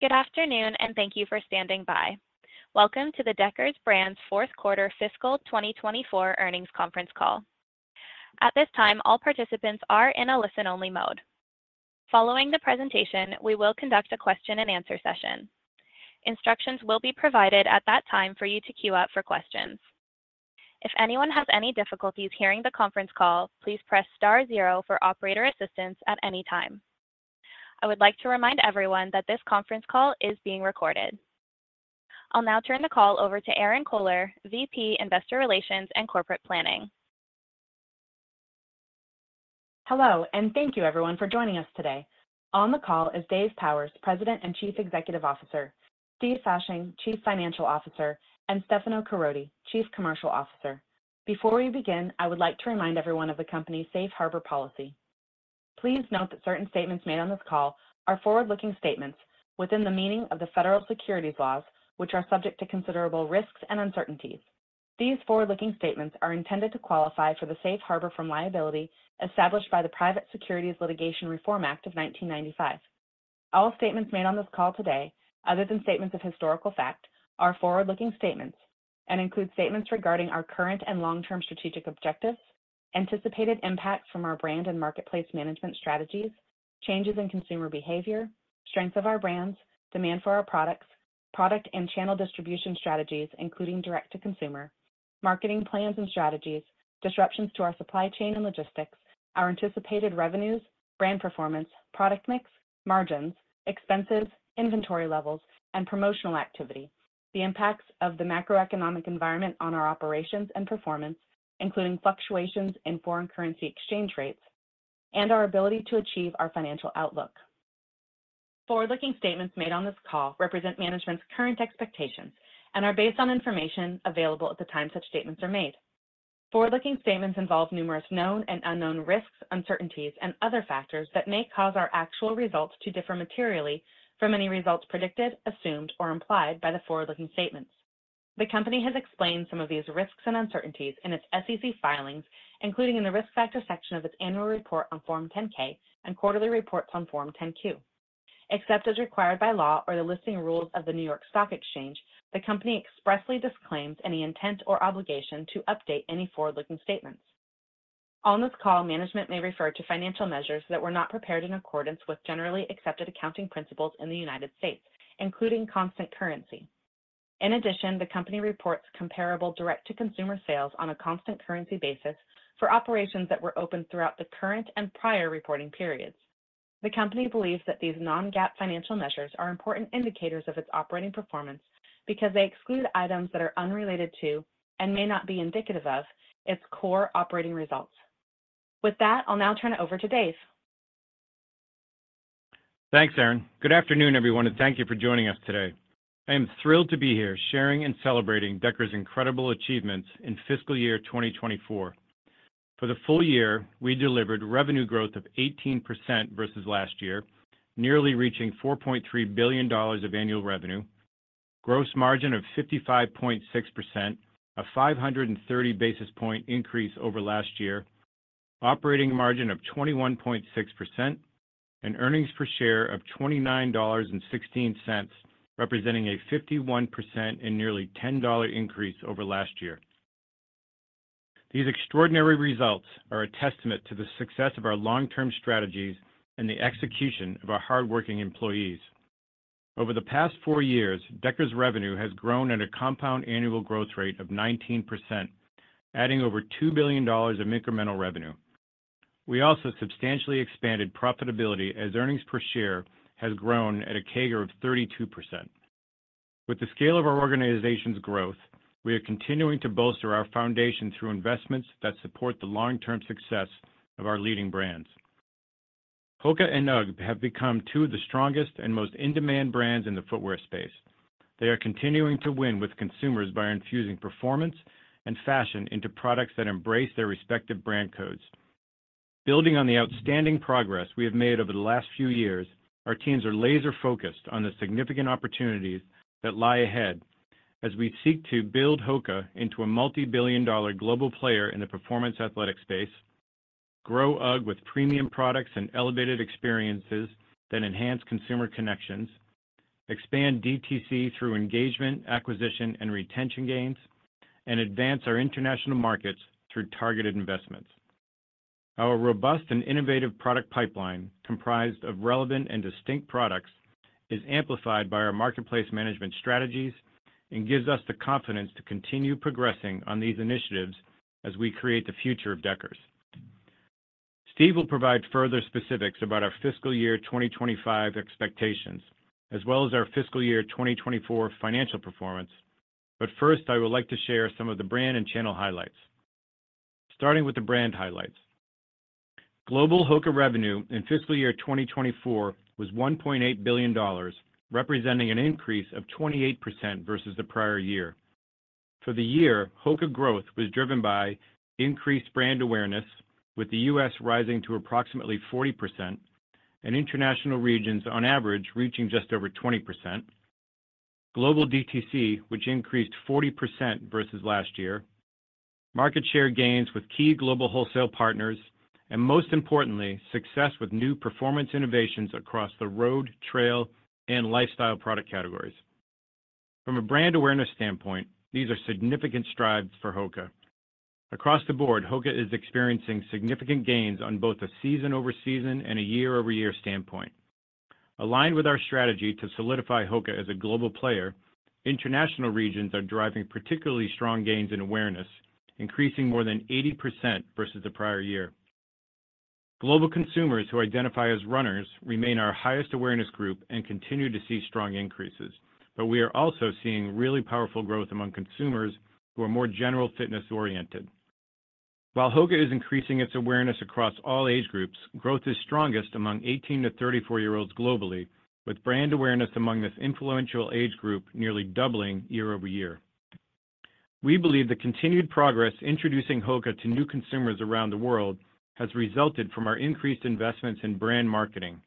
Good afternoon, and thank you for standing by. Welcome to the Deckers Brands' Fourth Quarter Fiscal 2024 Earnings Conference Call. At this time, all participants are in a listen-only mode. Following the presentation, we will conduct a question-and-answer session. Instructions will be provided at that time for you to queue up for questions. If anyone has any difficulties hearing the conference call, please press star zero for operator assistance at any time. I would like to remind everyone that this conference call is being recorded. I'll now turn the call over to Erinn Kohler, VP, Investor Relations and Corporate Planning. Hello, and thank you everyone for joining us today. On the call is Dave Powers, President and Chief Executive Officer, Steve Fasching, Chief Financial Officer, and Stefano Caroti, Chief Commercial Officer. Before we begin, I would like to remind everyone of the company's safe harbor policy. Please note that certain statements made on this call are forward-looking statements within the meaning of the federal securities laws, which are subject to considerable risks and uncertainties. These forward-looking statements are intended to qualify for the safe harbor from liability established by the Private Securities Litigation Reform Act of 1995. All statements made on this call today, other than statements of historical fact, are forward-looking statements and include statements regarding our current and long-term strategic objectives, anticipated impacts from our brand and marketplace management strategies, changes in consumer behavior, strengths of our brands, demand for our products, product and channel distribution strategies, including direct-to-consumer, marketing plans and strategies, disruptions to our supply chain and logistics, our anticipated revenues, brand performance, product mix, margins, expenses, inventory levels, and promotional activity, the impacts of the macroeconomic environment on our operations and performance, including fluctuations in foreign currency exchange rates, and our ability to achieve our financial outlook. Forward-looking statements made on this call represent management's current expectations and are based on information available at the time such statements are made. Forward-looking statements involve numerous known and unknown risks, uncertainties, and other factors that may cause our actual results to differ materially from any results predicted, assumed, or implied by the forward-looking statements. The Company has explained some of these risks and uncertainties in its SEC filings, including in the Risk Factors section of its annual report on Form 10-K and quarterly reports on Form 10-Q. Except as required by law or the listing rules of the New York Stock Exchange, the Company expressly disclaims any intent or obligation to update any forward-looking statements. On this call, management may refer to financial measures that were not prepared in accordance with generally accepted accounting principles in the United States, including constant currency. In addition, the Company reports comparable direct-to-consumer sales on a constant currency basis for operations that were open throughout the current and prior reporting periods. The Company believes that these non-GAAP financial measures are important indicators of its operating performance because they exclude items that are unrelated to, and may not be indicative of, its core operating results. With that, I'll now turn it over to Dave. Thanks, Erinn. Good afternoon, everyone, and thank you for joining us today. I am thrilled to be here sharing and celebrating Deckers' incredible achievements in fiscal year 2024. For the full year, we delivered revenue growth of 18% versus last year, nearly reaching $4.3 billion of annual revenue, gross margin of 55.6%, a 530 basis point increase over last year, operating margin of 21.6%, and earnings per share of $29.16, representing a 51% and nearly $10 increase over last year. These extraordinary results are a testament to the success of our long-term strategies and the execution of our hardworking employees. Over the past four years, Deckers' revenue has grown at a compound annual growth rate of 19%, adding over $2 billion of incremental revenue. We also substantially expanded profitability as earnings per share has grown at a CAGR of 32%. With the scale of our organization's growth, we are continuing to bolster our foundation through investments that support the long-term success of our leading brands. HOKA and UGG have become two of the strongest and most in-demand brands in the footwear space. They are continuing to win with consumers by infusing performance and fashion into products that embrace their respective brand codes. Building on the outstanding progress we have made over the last few years, our teams are laser-focused on the significant opportunities that lie ahead as we seek to build HOKA into a multi-billion dollar global player in the performance athletic space, grow UGG with premium products and elevated experiences that enhance consumer connections, expand DTC through engagement, acquisition, and retention gains, and advance our international markets through targeted investments. Our robust and innovative product pipeline, comprised of relevant and distinct products, is amplified by our marketplace management strategies and gives us the confidence to continue progressing on these initiatives as we create the future of Deckers. Steve will provide further specifics about our fiscal year 2025 expectations, as well as our fiscal year 2024 financial performance. But first, I would like to share some of the brand and channel highlights. Starting with the brand highlights. Global HOKA revenue in fiscal year 2024 was $1.8 billion, representing an increase of 28% versus the prior year. For the year, HOKA growth was driven by increased brand awareness, with the U.S. rising to approximately 40% and international regions on average reaching just over 20%. Global DTC, which increased 40% versus last year, market share gains with key global wholesale partners, and most importantly, success with new performance innovations across the road, trail, and lifestyle product categories. From a brand awareness standpoint, these are significant strides for HOKA. Across the board, HOKA is experiencing significant gains on both a season-over-season and a year-over-year standpoint. Aligned with our strategy to solidify HOKA as a global player, international regions are driving particularly strong gains in awareness, increasing more than 80% versus the prior year. Global consumers who identify as runners remain our highest awareness group and continue to see strong increases, but we are also seeing really powerful growth among consumers who are more general fitness-oriented. While HOKA is increasing its awareness across all age groups, growth is strongest among 18-34 year olds globally, with brand awareness among this influential age group nearly doubling year-over-year. We believe the continued progress introducing HOKA to new consumers around the world has resulted from our increased investments in brand marketing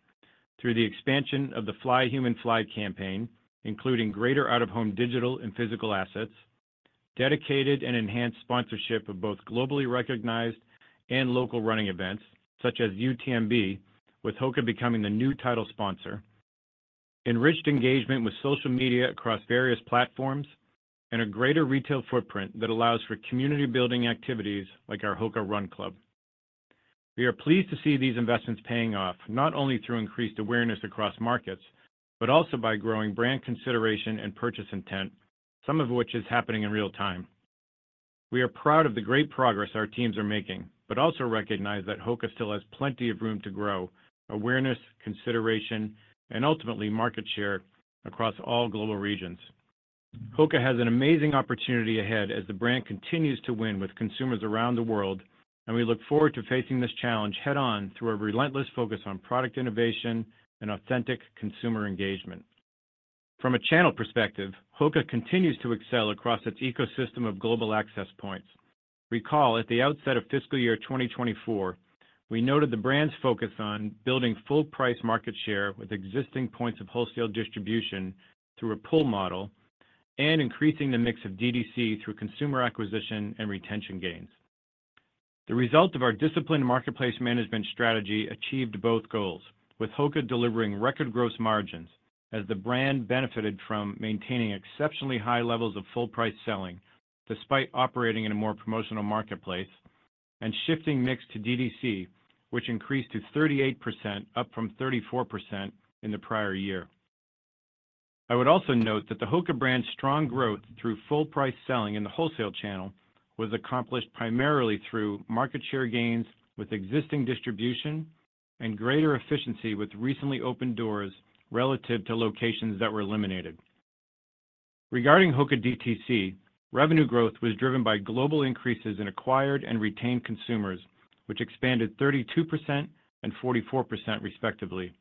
through the expansion of the Fly Human Fly campaign, including greater out-of-home digital and physical assets, dedicated and enhanced sponsorship of both globally recognized and local running events such as UTMB, with HOKA becoming the new title sponsor, enriched engagement with social media across various platforms, and a greater retail footprint that allows for community building activities like our HOKA Run Club. We are pleased to see these investments paying off, not only through increased awareness across markets, but also by growing brand consideration and purchase intent, some of which is happening in real time. We are proud of the great progress our teams are making, but also recognize that HOKA still has plenty of room to grow awareness, consideration, and ultimately market share across all global regions. HOKA has an amazing opportunity ahead as the brand continues to win with consumers around the world, and we look forward to facing this challenge head on through a relentless focus on product innovation and authentic consumer engagement. From a channel perspective, HOKA continues to excel across its ecosystem of global access points. Recall, at the outset of fiscal year 2024, we noted the brand's focus on building full price market share with existing points of wholesale distribution through a pull model and increasing the mix of DTC through consumer acquisition and retention gains. The result of our disciplined marketplace management strategy achieved both goals, with HOKA delivering record gross margins as the brand benefited from maintaining exceptionally high levels of full price selling, despite operating in a more promotional marketplace and shifting mix to DTC, which increased to 38%, up from 34% in the prior year. I would also note that the HOKA brand's strong growth through full price selling in the wholesale channel was accomplished primarily through market share gains with existing distribution and greater efficiency with recently opened doors relative to locations that were eliminated. Regarding HOKA DTC, revenue growth was driven by global increases in acquired and retained consumers, which expanded 32% and 44%, respectively.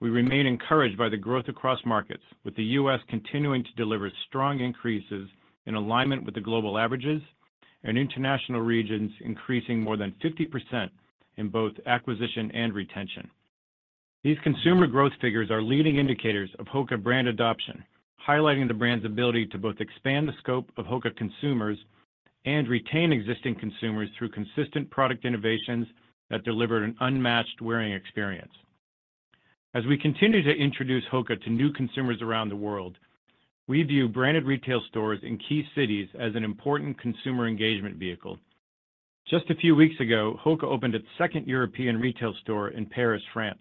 We remain encouraged by the growth across markets, with the U.S. continuing to deliver strong increases in alignment with the global averages and international regions increasing more than 50% in both acquisition and retention. These consumer growth figures are leading indicators of HOKA brand adoption, highlighting the brand's ability to both expand the scope of HOKA consumers and retain existing consumers through consistent product innovations that deliver an unmatched wearing experience. As we continue to introduce HOKA to new consumers around the world, we view branded retail stores in key cities as an important consumer engagement vehicle. Just a few weeks ago, HOKA opened its second European retail store in Paris, France.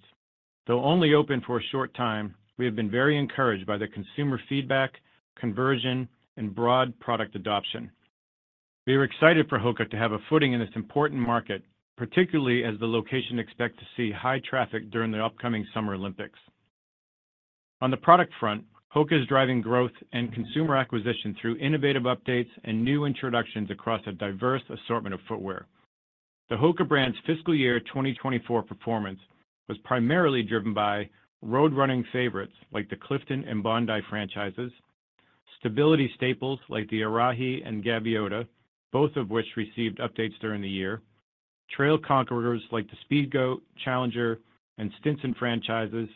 Though only open for a short time, we have been very encouraged by the consumer feedback, conversion, and broad product adoption. We are excited for HOKA to have a footing in this important market, particularly as the location expect to see high traffic during the upcoming Summer Olympics. On the product front, HOKA is driving growth and consumer acquisition through innovative updates and new introductions across a diverse assortment of footwear. The HOKA brand's fiscal year 2024 performance was primarily driven by road running favorites like the Clifton and Bondi franchises, stability staples like the Arahi and Gaviota, both of which received updates during the year, trail conquerors like the Speedgoat, Challenger, and Stinson franchises,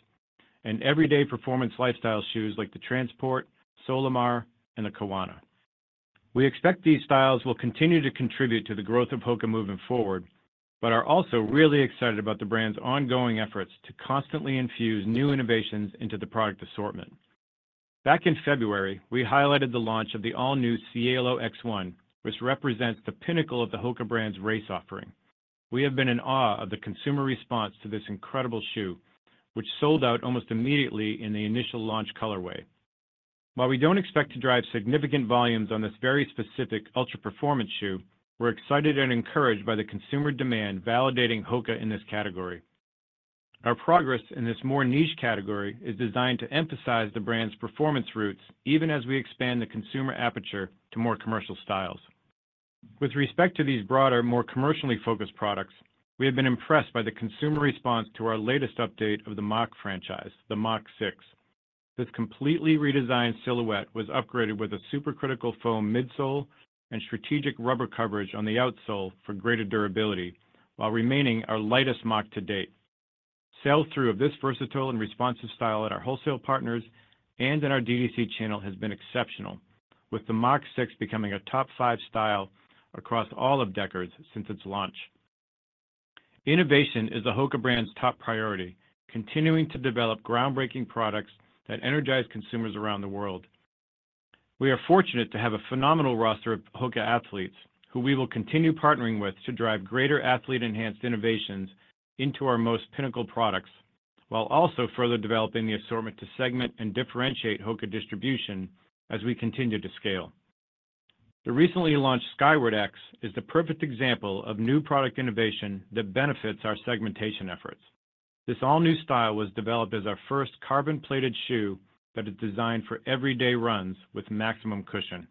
and everyday performance lifestyle shoes like the Transport, Solimar, and the Kawana. We expect these styles will continue to contribute to the growth of HOKA moving forward, but are also really excited about the brand's ongoing efforts to constantly infuse new innovations into the product assortment. Back in February, we highlighted the launch of the all-new Cielo X1, which represents the pinnacle of the HOKA brand's race offering. We have been in awe of the consumer response to this incredible shoe, which sold out almost immediately in the initial launch colorway. While we don't expect to drive significant volumes on this very specific ultra performance shoe, we're excited and encouraged by the consumer demand validating HOKA in this category. Our progress in this more niche category is designed to emphasize the brand's performance roots, even as we expand the consumer aperture to more commercial styles. With respect to these broader, more commercially focused products, we have been impressed by the consumer response to our latest update of the Mach franchise, the Mach 6. This completely redesigned silhouette was upgraded with a supercritical foam midsole and strategic rubber coverage on the outsole for greater durability while remaining our lightest Mach to date. Sell-through of this versatile and responsive style at our wholesale partners and in our DTC channel has been exceptional, with the Mach 6 becoming a top five style across all of Deckers since its launch. Innovation is the HOKA brand's top priority, continuing to develop groundbreaking products that energize consumers around the world. We are fortunate to have a phenomenal roster of HOKA athletes, who we will continue partnering with to drive greater athlete-enhanced innovations into our most pinnacle products, while also further developing the assortment to segment and differentiate HOKA distribution as we continue to scale. The recently launched Skyward X is the perfect example of new product innovation that benefits our segmentation efforts. This all-new style was developed as our first carbon-plated shoe that is designed for everyday runs with maximum cushion.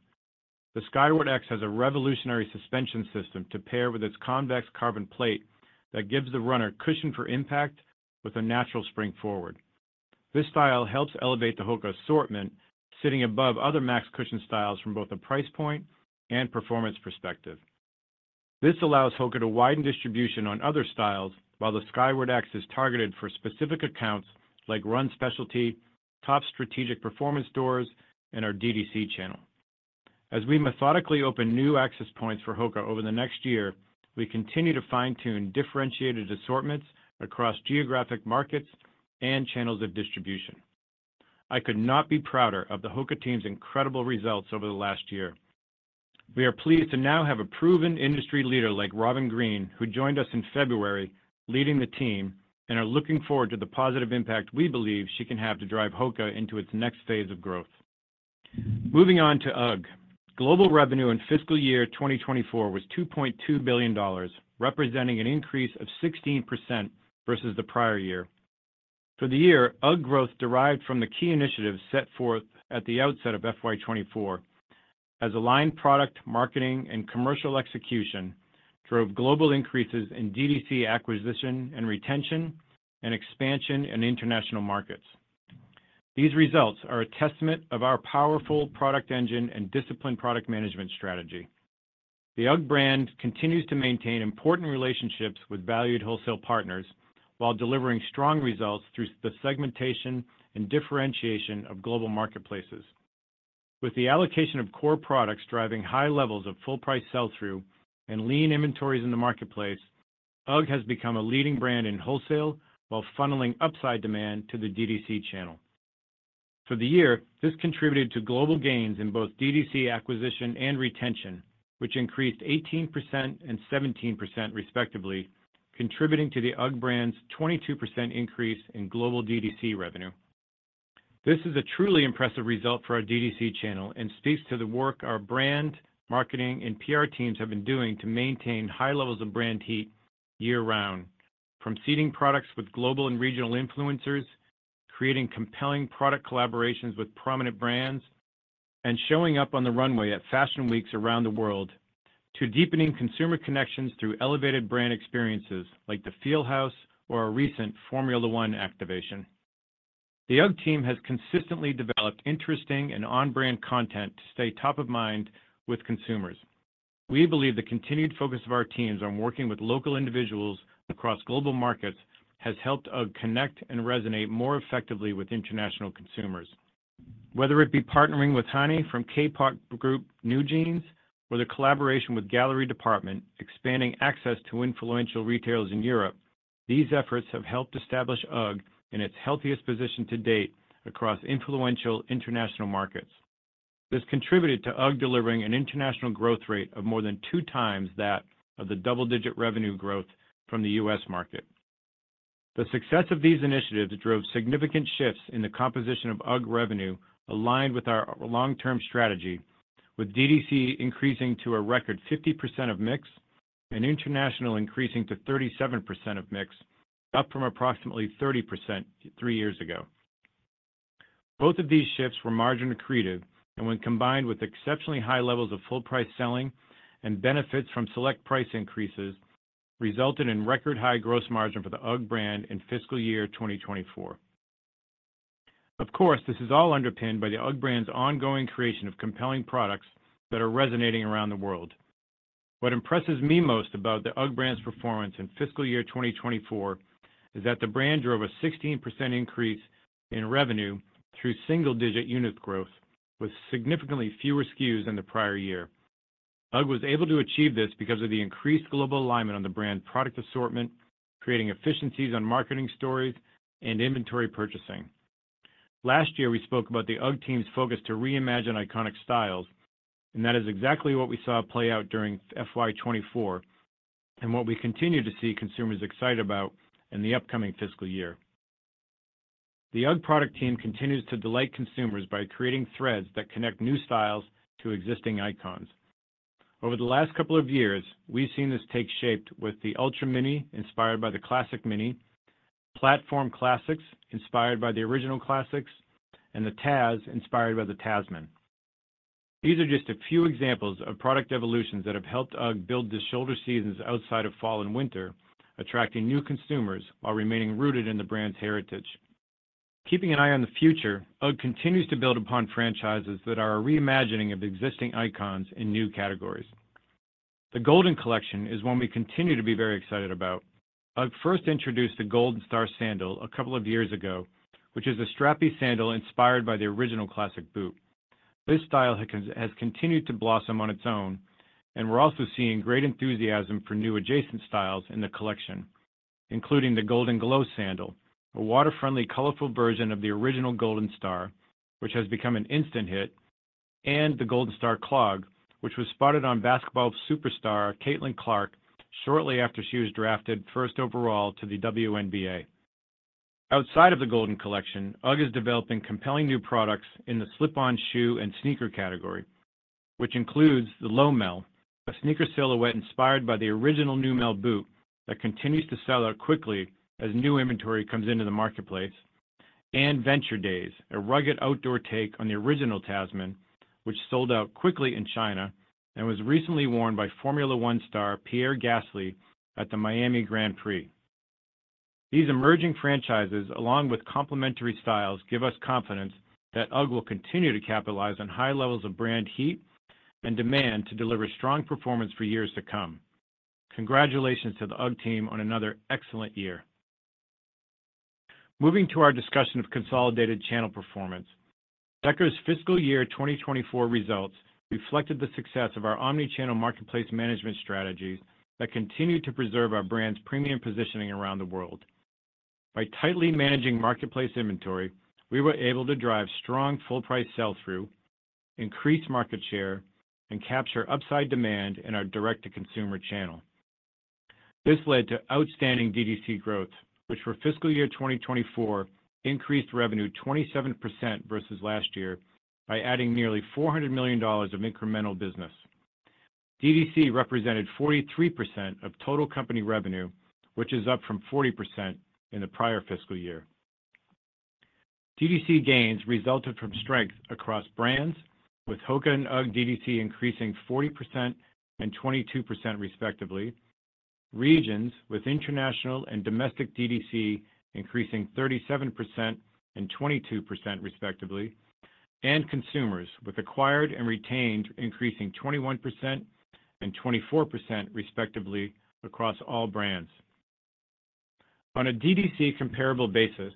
The Skyward X has a revolutionary suspension system to pair with its convex carbon plate that gives the runner cushion for impact with a natural spring forward. This style helps elevate the HOKA assortment, sitting above other max cushion styles from both a price point and performance perspective. This allows HOKA to widen distribution on other styles, while the Skyward X is targeted for specific accounts like Run Specialty, top strategic performance stores, and our DTC channel. As we methodically open new access points for HOKA over the next year, we continue to fine-tune differentiated assortments across geographic markets and channels of distribution. I could not be prouder of the HOKA team's incredible results over the last year. We are pleased to now have a proven industry leader like Robin Green, who joined us in February, leading the team, and are looking forward to the positive impact we believe she can have to drive HOKA into its next phase of growth. Moving on to UGG. Global revenue in fiscal year 2024 was $2.2 billion, representing an increase of 16% versus the prior year. For the year, UGG growth derived from the key initiatives set forth at the outset of FY24, as aligned product, marketing, and commercial execution drove global increases in DTC acquisition and retention and expansion in international markets. These results are a testament of our powerful product engine and disciplined product management strategy. The UGG brand continues to maintain important relationships with valued wholesale partners, while delivering strong results through the segmentation and differentiation of global marketplaces. With the allocation of core products driving high levels of full price sell-through and lean inventories in the marketplace, UGG has become a leading brand in wholesale while funneling upside demand to the DTC channel. For the year, this contributed to global gains in both DTC acquisition and retention, which increased 18% and 17%, respectively, contributing to the UGG brand's 22% increase in global DTC revenue. This is a truly impressive result for our DTC channel and speaks to the work our brand, marketing, and PR teams have been doing to maintain high levels of brand heat year-round. From seeding products with global and regional influencers, creating compelling product collaborations with prominent brands, and showing up on the runway at Fashion Weeks around the world, to deepening consumer connections through elevated brand experiences like the Feel House or our recent Formula 1 activation. The UGG team has consistently developed interesting and on-brand content to stay top of mind with consumers. We believe the continued focus of our teams on working with local individuals across global markets has helped UGG connect and resonate more effectively with international consumers. Whether it be partnering with Hanni from K-pop group NewJeans, or the collaboration with Gallery Dept., expanding access to influential retailers in Europe, these efforts have helped establish UGG in its healthiest position to date across influential international markets. This contributed to UGG delivering an international growth rate of more than two times that of the double-digit revenue growth from the U.S. market. The success of these initiatives drove significant shifts in the composition of UGG revenue aligned with our long-term strategy, with DTC increasing to a record 50% of mix and international increasing to 37% of mix, up from approximately 30% three years ago. Both of these shifts were margin accretive, and when combined with exceptionally high levels of full price selling and benefits from select price increases, resulted in record high gross margin for the UGG brand in fiscal year 2024. Of course, this is all underpinned by the UGG brand's ongoing creation of compelling products that are resonating around the world. What impresses me most about the UGG brand's performance in fiscal year 2024 is that the brand drove a 16% increase in revenue through single-digit unit growth, with significantly fewer SKUs than the prior year. UGG was able to achieve this because of the increased global alignment on the brand product assortment, creating efficiencies on marketing stories and inventory purchasing. Last year, we spoke about the UGG team's focus to reimagine iconic styles, and that is exactly what we saw play out during FY24, and what we continue to see consumers excited about in the upcoming fiscal year. The UGG product team continues to delight consumers by creating threads that connect new styles to existing icons. Over the last couple of years, we've seen this take shape with the Ultra Mini, inspired by the Classic Mini, Platform Classics, inspired by the original Classics, and the Tazz, inspired by the Tasman. These are just a few examples of product evolutions that have helped UGG build the shoulder seasons outside of fall and winter, attracting new consumers while remaining rooted in the brand's heritage. Keeping an eye on the future, UGG continues to build upon franchises that are a reimagining of existing icons in new categories. The Golden Collection is one we continue to be very excited about. I first introduced the Golden Star sandal a couple of years ago, which is a strappy sandal inspired by the original classic boot. This style has continued to blossom on its own, and we're also seeing great enthusiasm for new adjacent styles in the collection, including the Golden Glow sandal, a water-friendly, colorful version of the original Golden Star, which has become an instant hit, and the Golden Star Clog, which was spotted on basketball superstar Caitlin Clark, shortly after she was drafted first overall to the WNBA. Outside of the Golden Collection, UGG is developing compelling new products in the slip-on shoe and sneaker category, which includes the Lowmel, a sneaker silhouette inspired by the original Neumel boot that continues to sell out quickly as new inventory comes into the marketplace, and Venture Daze, a rugged outdoor take on the original Tasman, which sold out quickly in China and was recently worn by Formula 1 star Pierre Gasly at the Miami Grand Prix. These emerging franchises, along with complementary styles, give us confidence that UGG will continue to capitalize on high levels of brand heat and demand to deliver strong performance for years to come. Congratulations to the UGG team on another excellent year! Moving to our discussion of consolidated channel performance. Deckers' fiscal year 2024 results reflected the success of our Omni-channel marketplace management strategies that continued to preserve our brand's premium positioning around the world. By tightly managing marketplace inventory, we were able to drive strong full price sell-through, increase market share, and capture upside demand in our direct-to-consumer channel. This led to outstanding DTC growth, which for fiscal year 2024, increased revenue 27% versus last year by adding nearly $400 million of incremental business. DTC represented 43% of total company revenue, which is up from 40% in the prior fiscal year. DTC gains resulted from strength across brands, with HOKA and UGG DTC increasing 40% and 22%, respectively. Regions with international and domestic DTC increasing 37% and 22%, respectively, and consumers with acquired and retained, increasing 21% and 24%, respectively, across all brands. On a DTC comparable basis,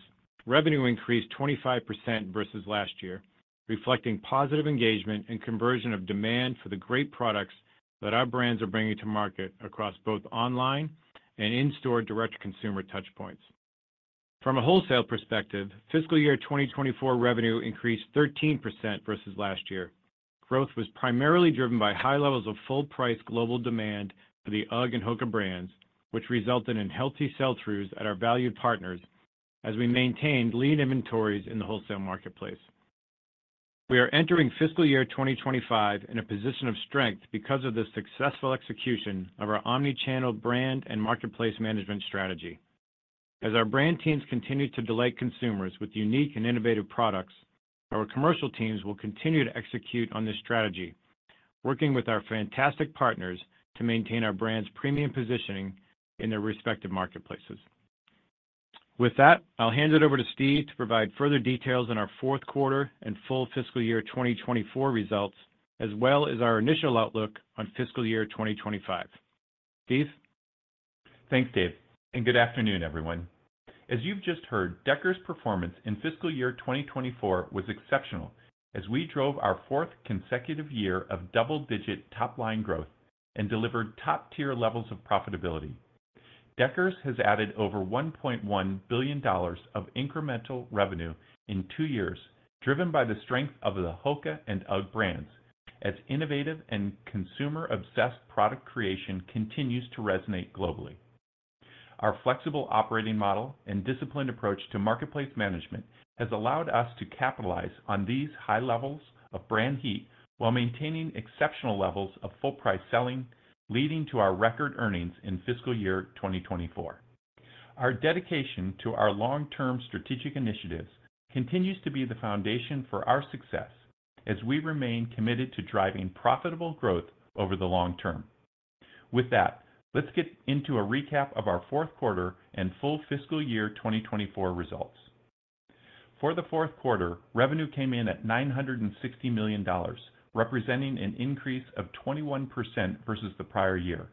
revenue increased 25% versus last year, reflecting positive engagement and conversion of demand for the great products that our brands are bringing to market across both online and in-store direct-to-consumer touchpoints. From a wholesale perspective, fiscal year 2024 revenue increased 13% versus last year. Growth was primarily driven by high levels of full price global demand for the UGG and HOKA brands, which resulted in healthy sell-throughs at our valued partners as we maintained lean inventories in the wholesale marketplace. We are entering fiscal year 2025 in a position of strength because of the successful execution of our omni-channel brand and marketplace management strategy. As our brand teams continue to delight consumers with unique and innovative products, our commercial teams will continue to execute on this strategy, working with our fantastic partners to maintain our brand's premium positioning in their respective marketplaces. With that, I'll hand it over to Steve to provide further details on our fourth quarter and full fiscal year 2024 results, as well as our initial outlook on fiscal year 2025. Steve? Thanks, Dave, and good afternoon, everyone. As you've just heard, Deckers' performance in fiscal year 2024 was exceptional as we drove our fourth consecutive year of double-digit top-line growth and delivered top-tier levels of profitability. Deckers has added over $1.1 billion of incremental revenue in two years, driven by the strength of the HOKA and UGG brands, as innovative and consumer-obsessed product creation continues to resonate globally. Our flexible operating model and disciplined approach to marketplace management has allowed us to capitalize on these high levels of brand heat while maintaining exceptional levels of full price selling, leading to our record earnings in fiscal year 2024. Our dedication to our long-term strategic initiatives continues to be the foundation for our success as we remain committed to driving profitable growth over the long term. With that, let's get into a recap of our fourth quarter and full fiscal year 2024 results. For the fourth quarter, revenue came in at $960 million, representing an increase of 21% versus the prior year.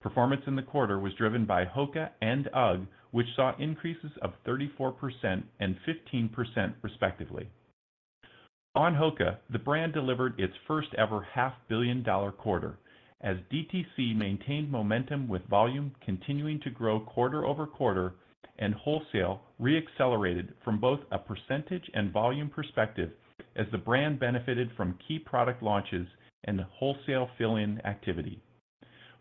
Performance in the quarter was driven by HOKA and UGG, which saw increases of 34% and 15%, respectively. On HOKA, the brand delivered its first-ever $500 million quarter, as DTC maintained momentum with volume continuing to grow quarter-over-quarter, and wholesale re-accelerated from both a percentage and volume perspective as the brand benefited from key product launches and the wholesale fill-in activity.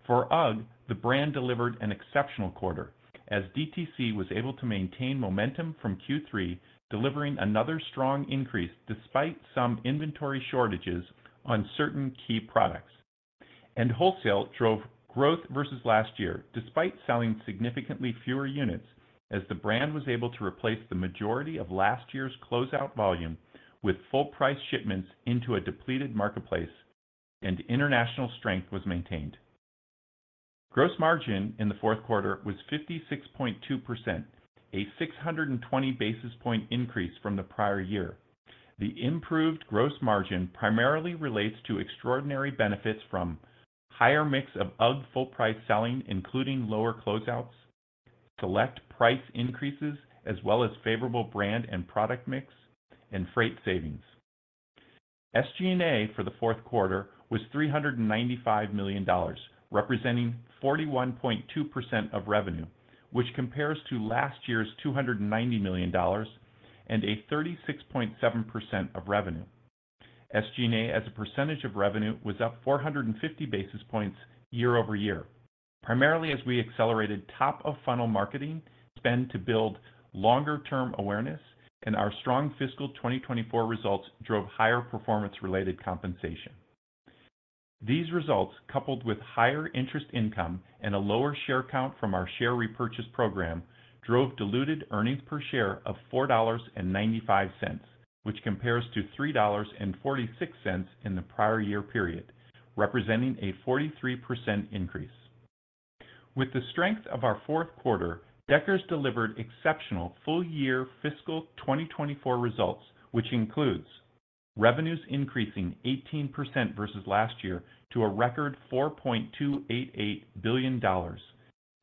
For UGG, the brand delivered an exceptional quarter as DTC was able to maintain momentum from Q3, delivering another strong increase despite some inventory shortages on certain key products. Wholesale drove growth versus last year, despite selling significantly fewer units as the brand was able to replace the majority of last year's closeout volume with full price shipments into a depleted marketplace, and international strength was maintained. Gross margin in the fourth quarter was 56.2%, a 620 basis point increase from the prior year. The improved gross margin primarily relates to extraordinary benefits from higher mix of UGG full-price selling, including lower closeouts, select price increases, as well as favorable brand and product mix and freight savings. SG&A for the fourth quarter was $395 million, representing 41.2% of revenue, which compares to last year's $290 million and a 36.7% of revenue. SG&A as a percentage of revenue, was up 450 basis points year-over-year, primarily as we accelerated top-of-funnel marketing spend to build longer-term awareness, and our strong fiscal 2024 results drove higher performance-related compensation. These results, coupled with higher interest income and a lower share count from our share repurchase program, drove diluted earnings per share of $4.95, which compares to $3.46 in the prior year period, representing a 43% increase. With the strength of our fourth quarter, Deckers delivered exceptional full year fiscal 2024 results, which includes: revenues increasing 18% versus last year to a record $4.288 billion.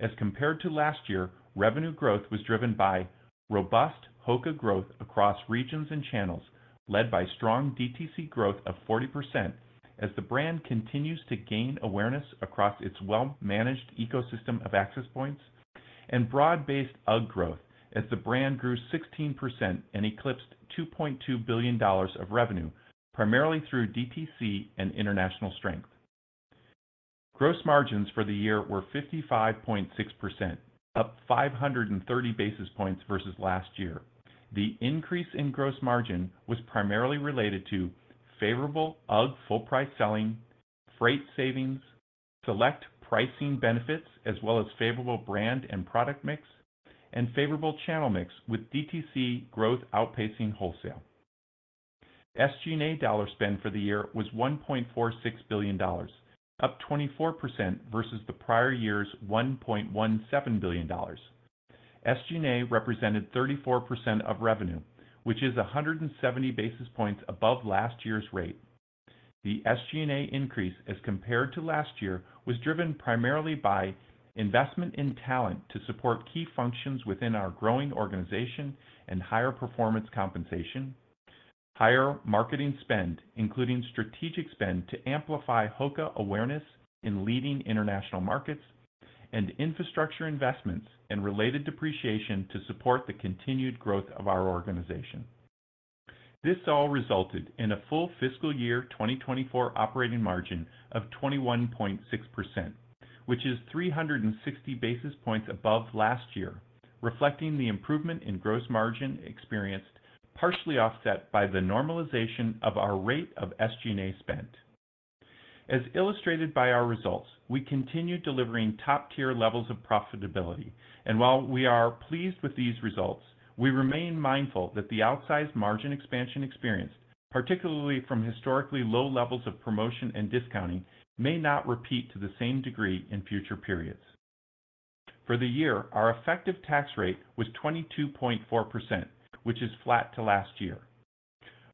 As compared to last year, revenue growth was driven by robust HOKA growth across regions and channels, led by strong DTC growth of 40% as the brand continues to gain awareness across its well-managed ecosystem of access points and broad-based UGG growth as the brand grew 16% and eclipsed $2.2 billion of revenue, primarily through DTC and international strength. Gross margins for the year were 55.6%, up 530 basis points versus last year. The increase in gross margin was primarily related to favorable UGG full price selling, freight savings, select pricing benefits, as well as favorable brand and product mix, and favorable channel mix, with DTC growth outpacing wholesale. SG&A dollar spend for the year was $1.46 billion, up 24% versus the prior year's $1.17 billion. SG&A represented 34% of revenue, which is 170 basis points above last year's rate. The SG&A increase as compared to last year, was driven primarily by investment in talent to support key functions within our growing organization and higher performance compensation, higher marketing spend, including strategic spend, to amplify HOKA awareness in leading international markets, and infrastructure investments and related depreciation to support the continued growth of our organization. This all resulted in a full fiscal year 2024 operating margin of 21.6%, which is 360 basis points above last year, reflecting the improvement in gross margin experienced, partially offset by the normalization of our rate of SG&A spend. As illustrated by our results, we continue delivering top-tier levels of profitability, and while we are pleased with these results, we remain mindful that the outsized margin expansion experience, particularly from historically low levels of promotion and discounting, may not repeat to the same degree in future periods. For the year, our effective tax rate was 22.4%, which is flat to last year.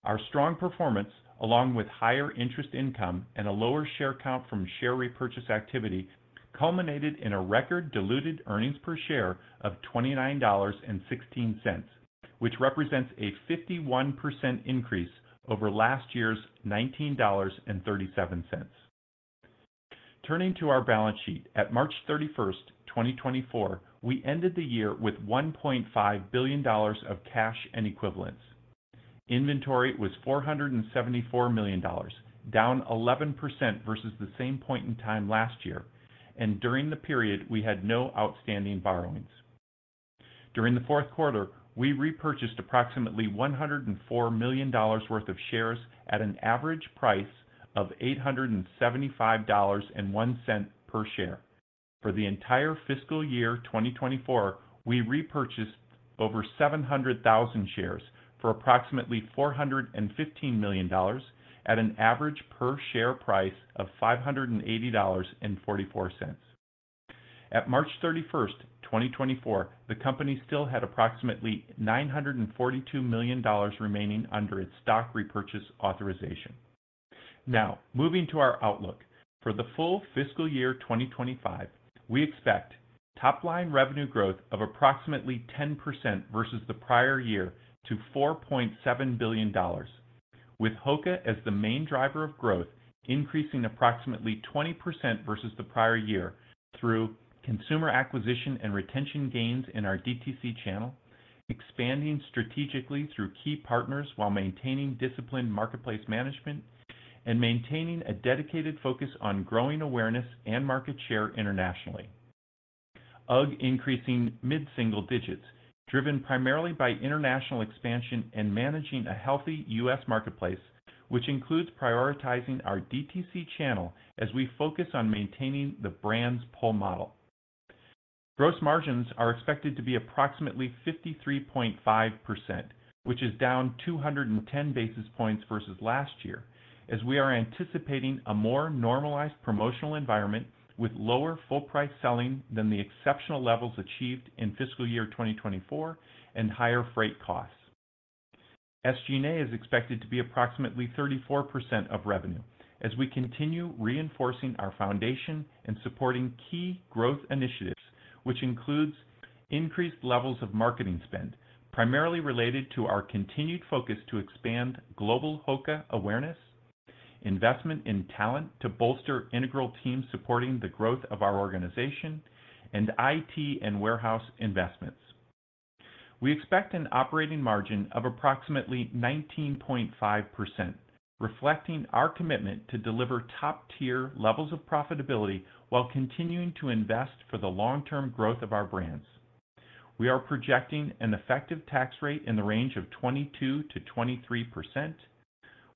Our strong performance, along with higher interest income and a lower share count from share repurchase activity, culminated in a record diluted earnings per share of $29.16, which represents a 51% increase over last year's $19.37. Turning to our balance sheet, at March 31st, 2024, we ended the year with $1.5 billion of cash and equivalents. Inventory was $474 million, down 11% versus the same point in time last year, and during the period, we had no outstanding borrowings. During the fourth quarter, we repurchased approximately $104 million worth of shares at an average price of $875.01 per share. For the entire fiscal year 2024, we repurchased over 700,000 shares for approximately $415 million at an average per share price of $580.44. At March 31st, 2024, the company still had approximately $942 million remaining under its stock repurchase authorization. Now, moving to our outlook. For the full fiscal year 2025, we expect top-line revenue growth of approximately 10% versus the prior year to $4.7 billion, with HOKA as the main driver of growth, increasing approximately 20% versus the prior year through consumer acquisition and retention gains in our DTC channel, expanding strategically through key partners while maintaining disciplined marketplace management, and maintaining a dedicated focus on growing awareness and market share internationally. UGG increasing mid-single digits, driven primarily by international expansion and managing a healthy U.S. marketplace, which includes prioritizing our DTC channel as we focus on maintaining the brand's pull model. Gross margins are expected to be approximately 53.5%, which is down 210 basis points versus last year, as we are anticipating a more normalized promotional environment with lower full-price selling than the exceptional levels achieved in fiscal year 2024 and higher freight costs. SG&A is expected to be approximately 34% of revenue as we continue reinforcing our foundation and supporting key growth initiatives, which includes increased levels of marketing spend, primarily related to our continued focus to expand global HOKA awareness, investment in talent to bolster integral teams supporting the growth of our organization, and IT and warehouse investments. We expect an operating margin of approximately 19.5%, reflecting our commitment to deliver top-tier levels of profitability while continuing to invest for the long-term growth of our brands. We are projecting an effective tax rate in the range of 22%-23%,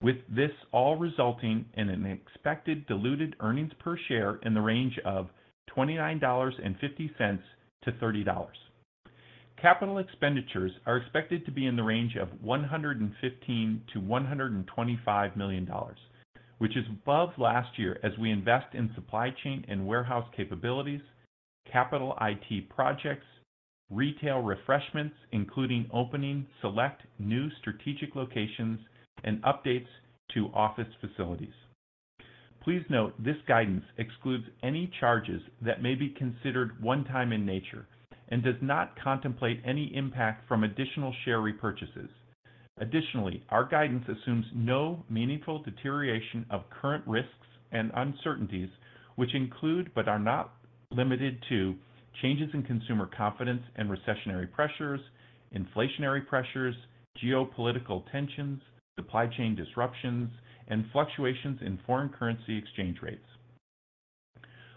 with this all resulting in an expected diluted earnings per share in the range of $29.50-$30. Capital expenditures are expected to be in the range of $115 million-$125 million, which is above last year as we invest in supply chain and warehouse capabilities, capital IT projects, retail refreshments, including opening select new strategic locations, and updates to office facilities. Please note, this guidance excludes any charges that may be considered one-time in nature and does not contemplate any impact from additional share repurchases. Additionally, our guidance assumes no meaningful deterioration of current risks and uncertainties, which include, but are not limited to, changes in consumer confidence and recessionary pressures, inflationary pressures, geopolitical tensions, supply chain disruptions, and fluctuations in foreign currency exchange rates.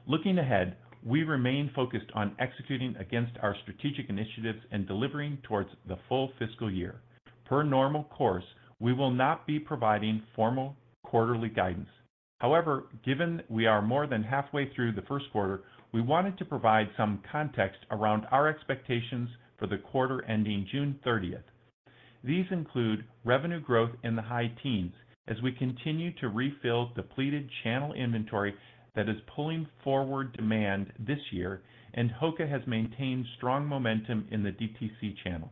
Looking ahead, we remain focused on executing against our strategic initiatives and delivering towards the full fiscal year. Per normal course, we will not be providing formal quarterly guidance. However, given we are more than halfway through the first quarter, we wanted to provide some context around our expectations for the quarter ending June 30th. These include revenue growth in the high teens as we continue to refill depleted channel inventory that is pulling forward demand this year, and HOKA has maintained strong momentum in the DTC channel.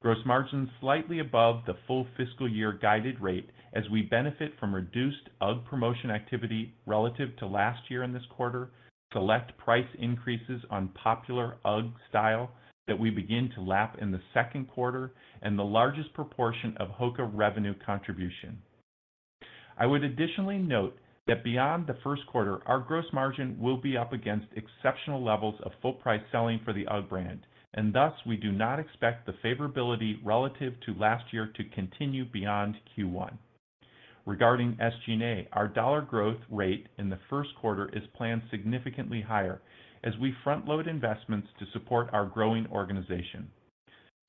Gross margin slightly above the full fiscal year guided rate as we benefit from reduced UGG promotion activity relative to last year in this quarter, select price increases on popular UGG style that we begin to lap in the second quarter, and the largest proportion of HOKA revenue contribution. I would additionally note that beyond the first quarter, our gross margin will be up against exceptional levels of full-price selling for the UGG brand, and thus, we do not expect the favorability relative to last year to continue beyond Q1. Regarding SG&A, our dollar growth rate in the first quarter is planned significantly higher as we front-load investments to support our growing organization.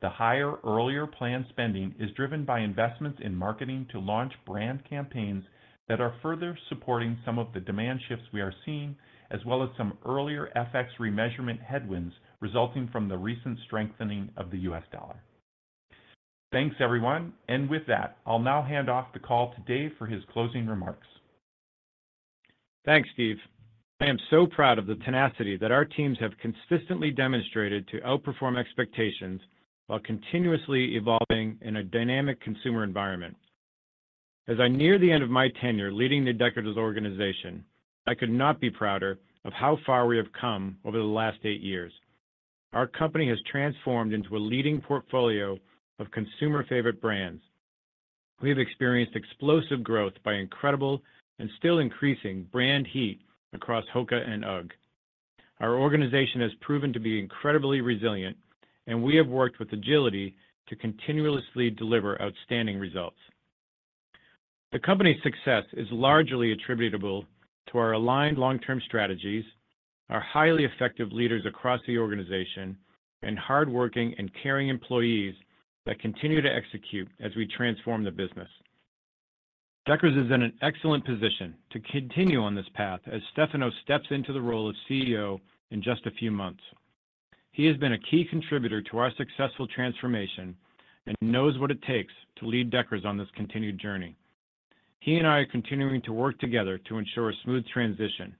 The higher, earlier planned spending is driven by investments in marketing to launch brand campaigns that are further supporting some of the demand shifts we are seeing, as well as some earlier FX remeasurement headwinds resulting from the recent strengthening of the U.S. dollar. Thanks, everyone, and with that, I'll now hand off the call to Dave for his closing remarks. Thanks, Steve. I am so proud of the tenacity that our teams have consistently demonstrated to outperform expectations while continuously evolving in a dynamic consumer environment. As I near the end of my tenure leading the Deckers organization, I could not be prouder of how far we have come over the last eight years. Our company has transformed into a leading portfolio of consumer-favorite brands. We have experienced explosive growth by incredible and still increasing brand heat across HOKA and UGG. Our organization has proven to be incredibly resilient, and we have worked with agility to continuously deliver outstanding results. The company's success is largely attributable to our aligned long-term strategies, our highly effective leaders across the organization, and hardworking and caring employees that continue to execute as we transform the business. Deckers is in an excellent position to continue on this path as Stefano steps into the role of CEO in just a few months. He has been a key contributor to our successful transformation and knows what it takes to lead Deckers on this continued journey. He and I are continuing to work together to ensure a smooth transition.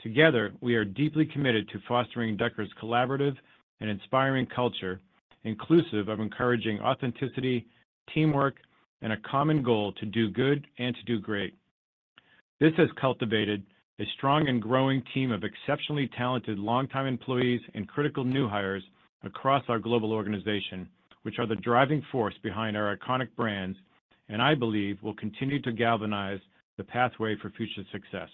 Together, we are deeply committed to fostering Deckers' collaborative and inspiring culture, inclusive of encouraging authenticity, teamwork, and a common goal to do good and to do great. This has cultivated a strong and growing team of exceptionally talented long-time employees and critical new hires across our global organization, which are the driving force behind our iconic brands, and I believe will continue to galvanize the pathway for future success.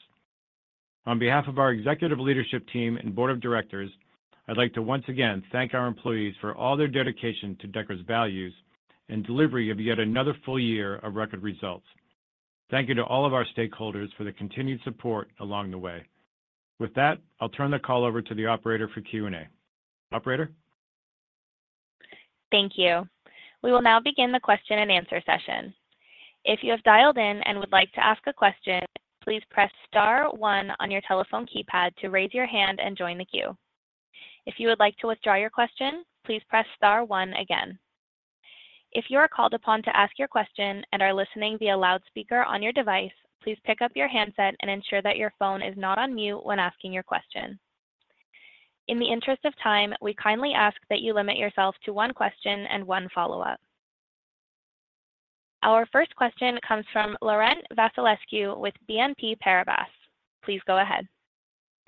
On behalf of our executive leadership team and board of directors, I'd like to once again thank our employees for all their dedication to Deckers' values and delivery of yet another full year of record results. Thank you to all of our stakeholders for their continued support along the way. With that, I'll turn the call over to the operator for Q&A. Operator? Thank you. We will now begin the question and answer session. If you have dialed in and would like to ask a question, please press star one on your telephone keypad to raise your hand and join the queue. If you would like to withdraw your question, please press star one again. If you are called upon to ask your question and are listening via loudspeaker on your device, please pick up your handset and ensure that your phone is not on mute when asking your question. In the interest of time, we kindly ask that you limit yourself to one question and one follow-up. Our first question comes from Laurent Vasilescu with BNP Paribas. Please go ahead.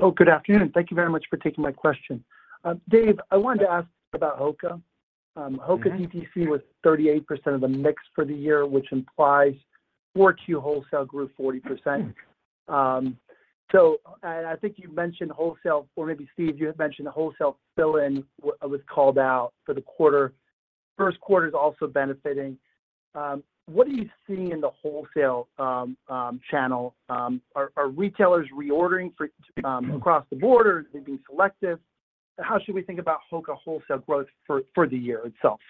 Oh, good afternoon. Thank you very much for taking my question. Dave, I wanted to ask about HOKA. HOKA DTC was 38% of the mix for the year, which implies 4Q wholesale grew 40%. So and I think you mentioned wholesale, or maybe Steve, you had mentioned the wholesale fill-in was called out for the quarter. First quarter is also benefiting. What are you seeing in the wholesale channel? Are retailers reordering for across the board, or are they being selective? How should we think about HOKA wholesale growth for the year itself?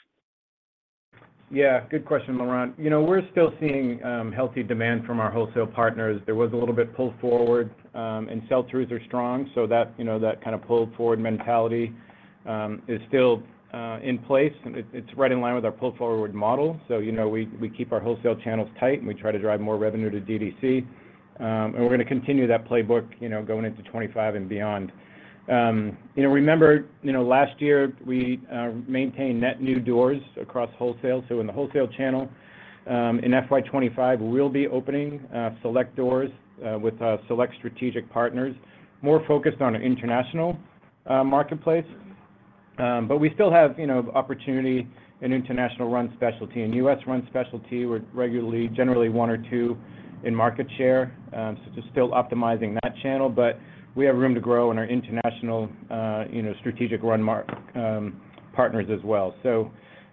Yeah, good question, Laurent. You know, we're still seeing healthy demand from our wholesale partners. There was a little bit pull forward, and sell-throughs are strong, so that, you know, that kind of pull-forward mentality is still in place. It's right in line with our pull-forward model. So, you know, we keep our wholesale channels tight, and we try to drive more revenue to DTC. And we're gonna continue that playbook, you know, going into 25 and beyond. You know, remember, you know, last year we maintained net new doors across wholesale. So in the wholesale channel, in FY25, we'll be opening select doors with select strategic partners, more focused on an international marketplace. But we still have, you know, opportunity in international run specialty. In U.S. Run Specialty, we're regularly, generally one or two in market share, so just still optimizing that channel, but we have room to grow in our international, you know, strategic run mark, partners as well. So,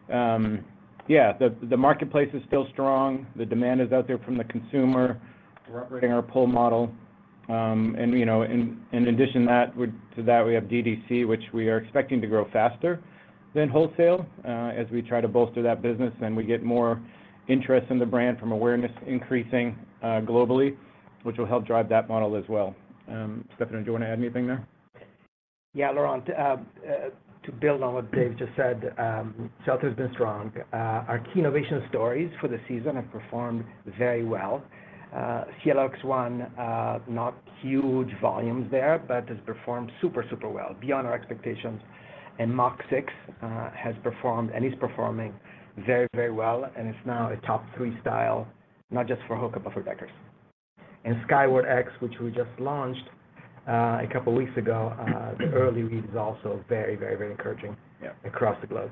yeah, the, the marketplace is still strong. The demand is out there from the consumer. We're operating our pull model. And, you know, in, in addition to that, to that, we have DTC, which we are expecting to grow faster than wholesale, as we try to bolster that business and we get more interest in the brand from awareness increasing, globally, which will help drive that model as well. Stefano, do you want to add anything there? Yeah, Laurent, to build on what Dave just said, sell-through has been strong. Our key innovation stories for the season have performed very well. Cielo X1, not huge volumes there, but has performed super, super well, beyond our expectations. And Mach 6, has performed and is performing very, very well, and it's now a top three style, not just for HOKA, but for Deckers. And Skyward X, which we just launched, a couple weeks ago, the early read is also very, very, very encouraging- Yeah... across the globe.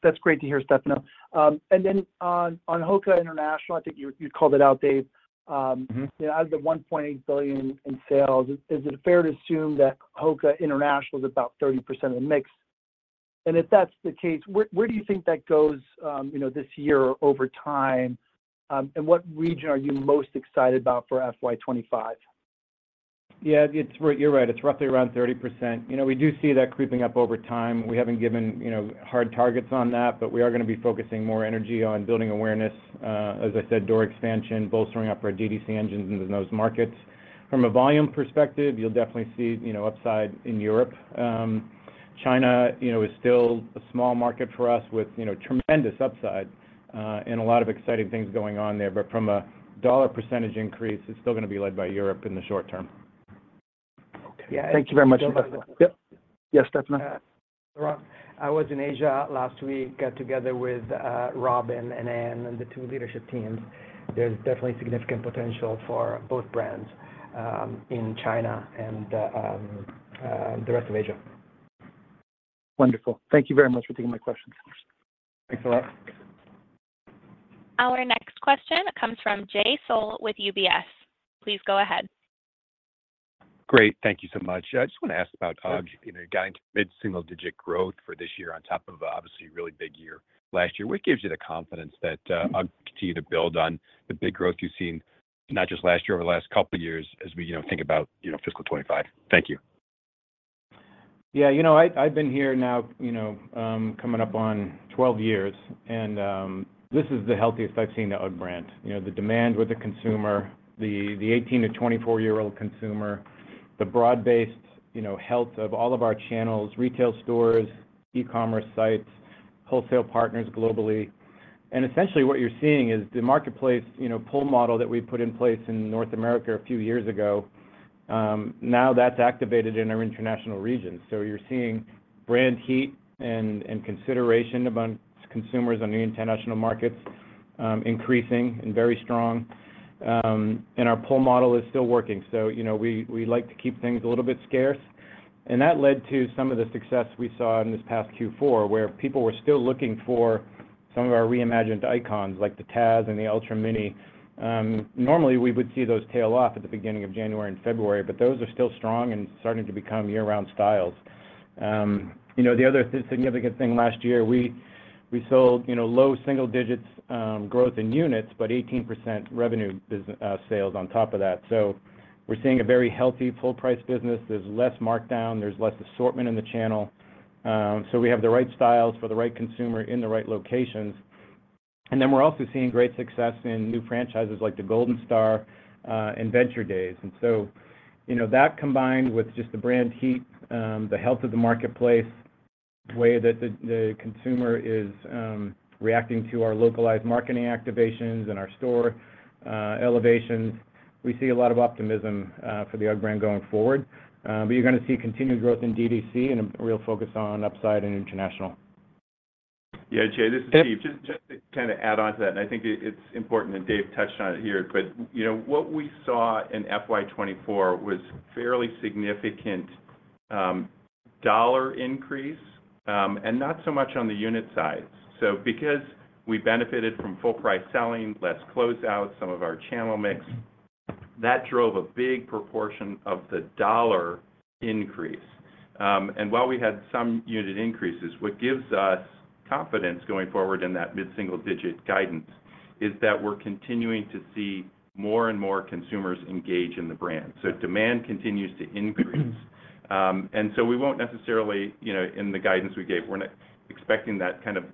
That's great to hear, Stefano. And then on HOKA International, I think you called it out, Dave. Out of the $1.8 billion in sales, is it fair to assume that HOKA International is about 30% of the mix? And if that's the case, where do you think that goes, you know, this year over time? And what region are you most excited about for FY25? Yeah, it's right, you're right. It's roughly around 30%. You know, we do see that creeping up over time. We haven't given, you know, hard targets on that, but we are gonna be focusing more energy on building awareness, as I said, door expansion, bolstering up our DTC engines into those markets. From a volume perspective, you'll definitely see, you know, upside in Europe. China, you know, is still a small market for us with, you know, tremendous upside, and a lot of exciting things going on there. But from a dollar percentage increase, it's still gonna be led by Europe in the short term. Okay. Yeah. Thank you very much. Yep. Yes, Stefano. I was in Asia last week, together with Robin and Anne and the two leadership teams. There's definitely significant potential for both brands, in China and the rest of Asia. Wonderful. Thank you very much for taking my questions. Thanks a lot. Our next question comes from Jay Sole with UBS. Please go ahead. Great. Thank you so much. I just want to ask about UGG. You know, getting to mid-single-digit growth for this year on top of obviously a really big year last year. What gives you the confidence that UGG continue to build on the big growth you've seen, not just last year, over the last couple of years, as we, you know, think about, you know, fiscal 2025? Thank you. Yeah, you know, I, I've been here now, you know, coming up on 12 years, and this is the healthiest I've seen the UGG brand. You know, the demand with the consumer, the 18-24 year old consumer, the broad-based, you know, health of all of our channels, retail stores, e-commerce sites, wholesale partners globally. And essentially, what you're seeing is the marketplace, you know, pull model that we put in place in North America a few years ago, now that's activated in our international regions. So you're seeing brand heat and consideration amongst consumers on the international markets increasing and very strong, and our pull model is still working. So, you know, we like to keep things a little bit scarce, and that led to some of the success we saw in this past Q4, where people were still looking for some of our reimagined icons, like the Tazz and the Ultra Mini. Normally, we would see those tail off at the beginning of January and February, but those are still strong and starting to become year-round styles. You know, the other significant thing last year, we sold, you know, low single digits growth in units, but 18% revenue sales on top of that. So we're seeing a very healthy full price business. There's less markdown, there's less assortment in the channel. So we have the right styles for the right consumer in the right locations. Then we're also seeing great success in new franchises like the Golden Star and Venture Daze. So, you know, that combined with just the brand heat, the health of the marketplace, the way that the consumer is reacting to our localized marketing activations and our store elevations, we see a lot of optimism for the UGG brand going forward. But you're gonna see continued growth in DTC and a real focus on upside and international. Yeah, Jay, this is Steve. Just to kinda add on to that, and I think it's important, and Dave touched on it here, but, you know, what we saw in FY24 was fairly significant dollar increase, and not so much on the unit side. So because we benefited from full-price selling, less closeout, some of our channel mix, that drove a big proportion of the dollar increase. And while we had some unit increases, what gives us confidence going forward in that mid-single-digit guidance is that we're continuing to see more and more consumers engage in the brand. So demand continues to increase. And so we won't necessarily, you know, in the guidance we gave, we're not expecting that kind of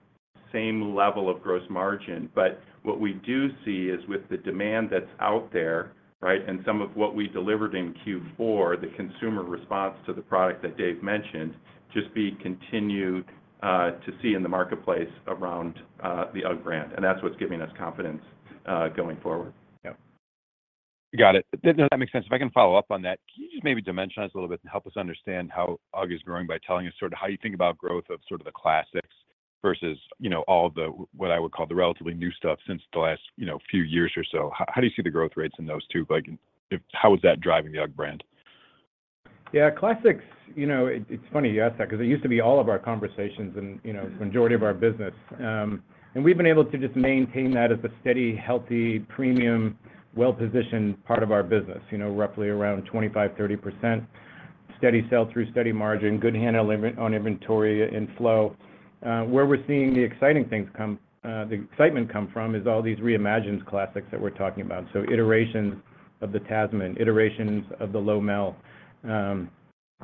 same level of gross margin. But what we do see is with the demand that's out there, right? Some of what we delivered in Q4, the consumer response to the product that Dave mentioned, just be continued to see in the marketplace around the UGG brand, and that's what's giving us confidence going forward. Yeah. Got it. That makes sense. If I can follow up on that, can you just maybe dimensionize a little bit and help us understand how UGG is growing by telling us sort of how you think about growth of sort of the classics versus, you know, all the, what I would call the relatively new stuff since the last, you know, few years or so. How do you see the growth rates in those two? Like, how is that driving the UGG brand? Yeah, classics, you know, it's funny you ask that because it used to be all of our conversations and, you know, majority of our business. We've been able to just maintain that as a steady, healthy, premium, well-positioned part of our business. You know, roughly around 25%-30%. Steady sell-through, steady margin, good handle limit on inventory and flow. Where we're seeing the exciting things come, the excitement come from is all these reimagined classics that we're talking about. So iterations of the Tasman, iterations of the Lowmel,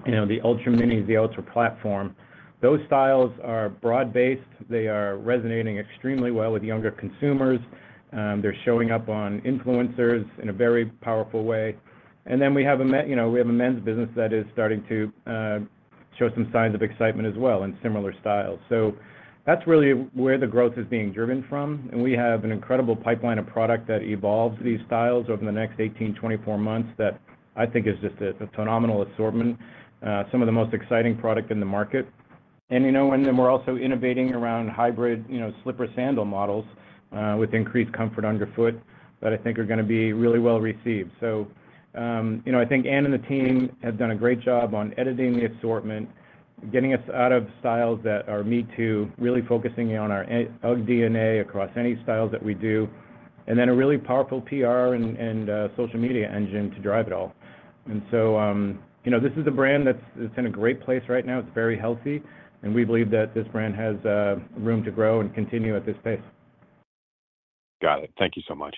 you know, the Ultra Minis, the Ultra Platform. Those styles are broad-based. They are resonating extremely well with younger consumers. They're showing up on influencers in a very powerful way. And then we have a—you know, we have a men's business that is starting to show some signs of excitement as well in similar styles. So that's really where the growth is being driven from, and we have an incredible pipeline of product that evolves these styles over the next 18-24 months that I think is just a phenomenal assortment, some of the most exciting product in the market. And, you know, and then we're also innovating around hybrid, you know, slipper sandal models with increased comfort underfoot that I think are gonna be really well received. So, you know, I think Anne and the team have done a great job on editing the assortment, getting us out of styles that are me-too, really focusing on our UGG DNA across any styles that we do, and then a really powerful PR and social media engine to drive it all. And so, you know, this is a brand that's in a great place right now. It's very healthy, and we believe that this brand has room to grow and continue at this pace. Got it. Thank you so much.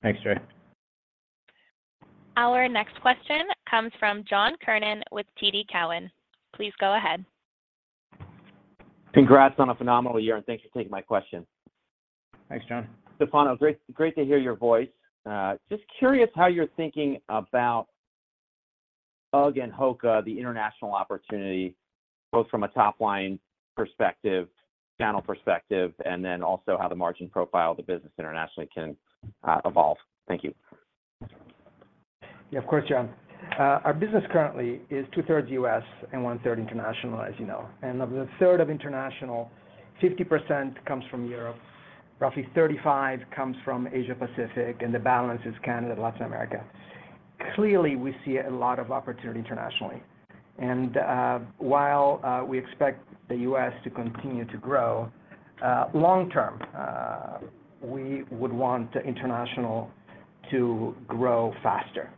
Thanks, Jay. Our next question comes from John Kernan with TD Cowen. Please go ahead. Congrats on a phenomenal year, and thanks for taking my question. Thanks, John. Stefano, great, great to hear your voice. Just curious how you're thinking about UGG and HOKA, the international opportunity, both from a top-line perspective, channel perspective, and then also how the margin profile of the business internationally can evolve. Thank you. Yeah, of course, John. Our business currently is two-thirds U.S. and one-third international, as you know. Of the third of international, 50% comes from Europe, roughly 35% comes from Asia-Pacific, and the balance is Canada, Latin America. Clearly, we see a lot of opportunity internationally. And while we expect the U.S. to continue to grow long term, we would want international to grow faster.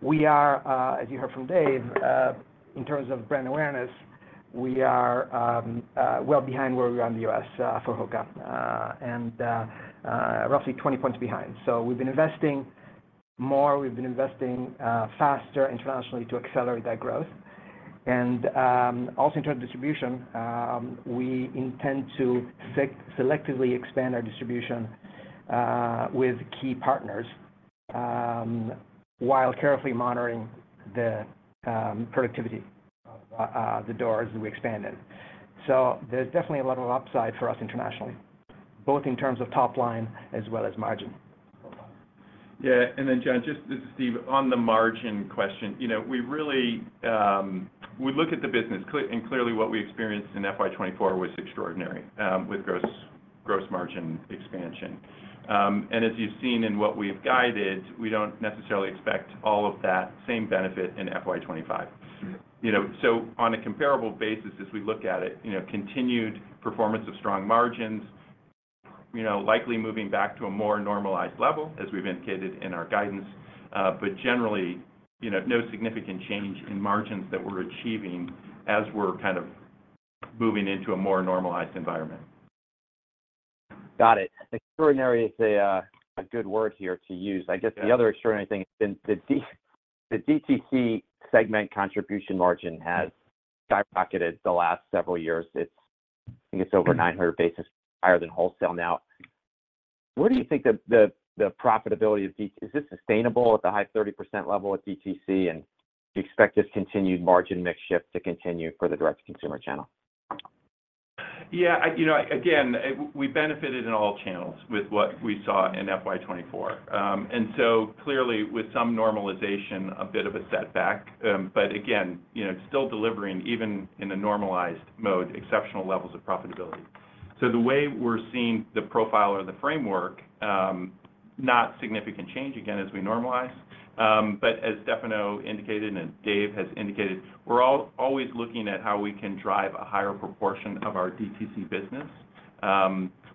We are, as you heard from Dave, in terms of brand awareness, well behind where we are in the U.S. for HOKA and roughly 20 points behind. So we've been investing more, we've been investing faster internationally to accelerate that growth. Also in terms of distribution, we intend to selectively expand our distribution with key partners, while carefully monitoring the productivity of the doors that we expanded. So there's definitely a level of upside for us internationally, both in terms of top line as well as margin. Yeah, and then, John, just to see you on the margin question, you know, we really we look at the business clearly what we experienced in FY24 was extraordinary, with gross, gross margin expansion. And as you've seen in what we've guided, we don't necessarily expect all of that same benefit in FY25. You know, so on a comparable basis, as we look at it, you know, continued performance of strong margins, you know, likely moving back to a more normalized level, as we've indicated in our guidance. But generally, you know, no significant change in margins that we're achieving as we're kind of moving into a more normalized environment. Got it. Extraordinary is a good word here to use. Yeah. I guess the other extraordinary thing is the DTC segment contribution margin has skyrocketed the last several years. It's, I think it's over 900 basis points higher than wholesale now. Where do you think the profitability of DTC? Is this sustainable at the high 30% level at DTC, and do you expect this continued margin mix shift to continue for the direct-to-consumer channel? Yeah, I, you know, again, we benefited in all channels with what we saw in FY24. And so clearly, with some normalization, a bit of a setback, but again, you know, still delivering, even in a normalized mode, exceptional levels of profitability. So the way we're seeing the profile or the framework, not significant change again, as we normalize, but as Stefano indicated and Dave has indicated, we're always looking at how we can drive a higher proportion of our DTC business,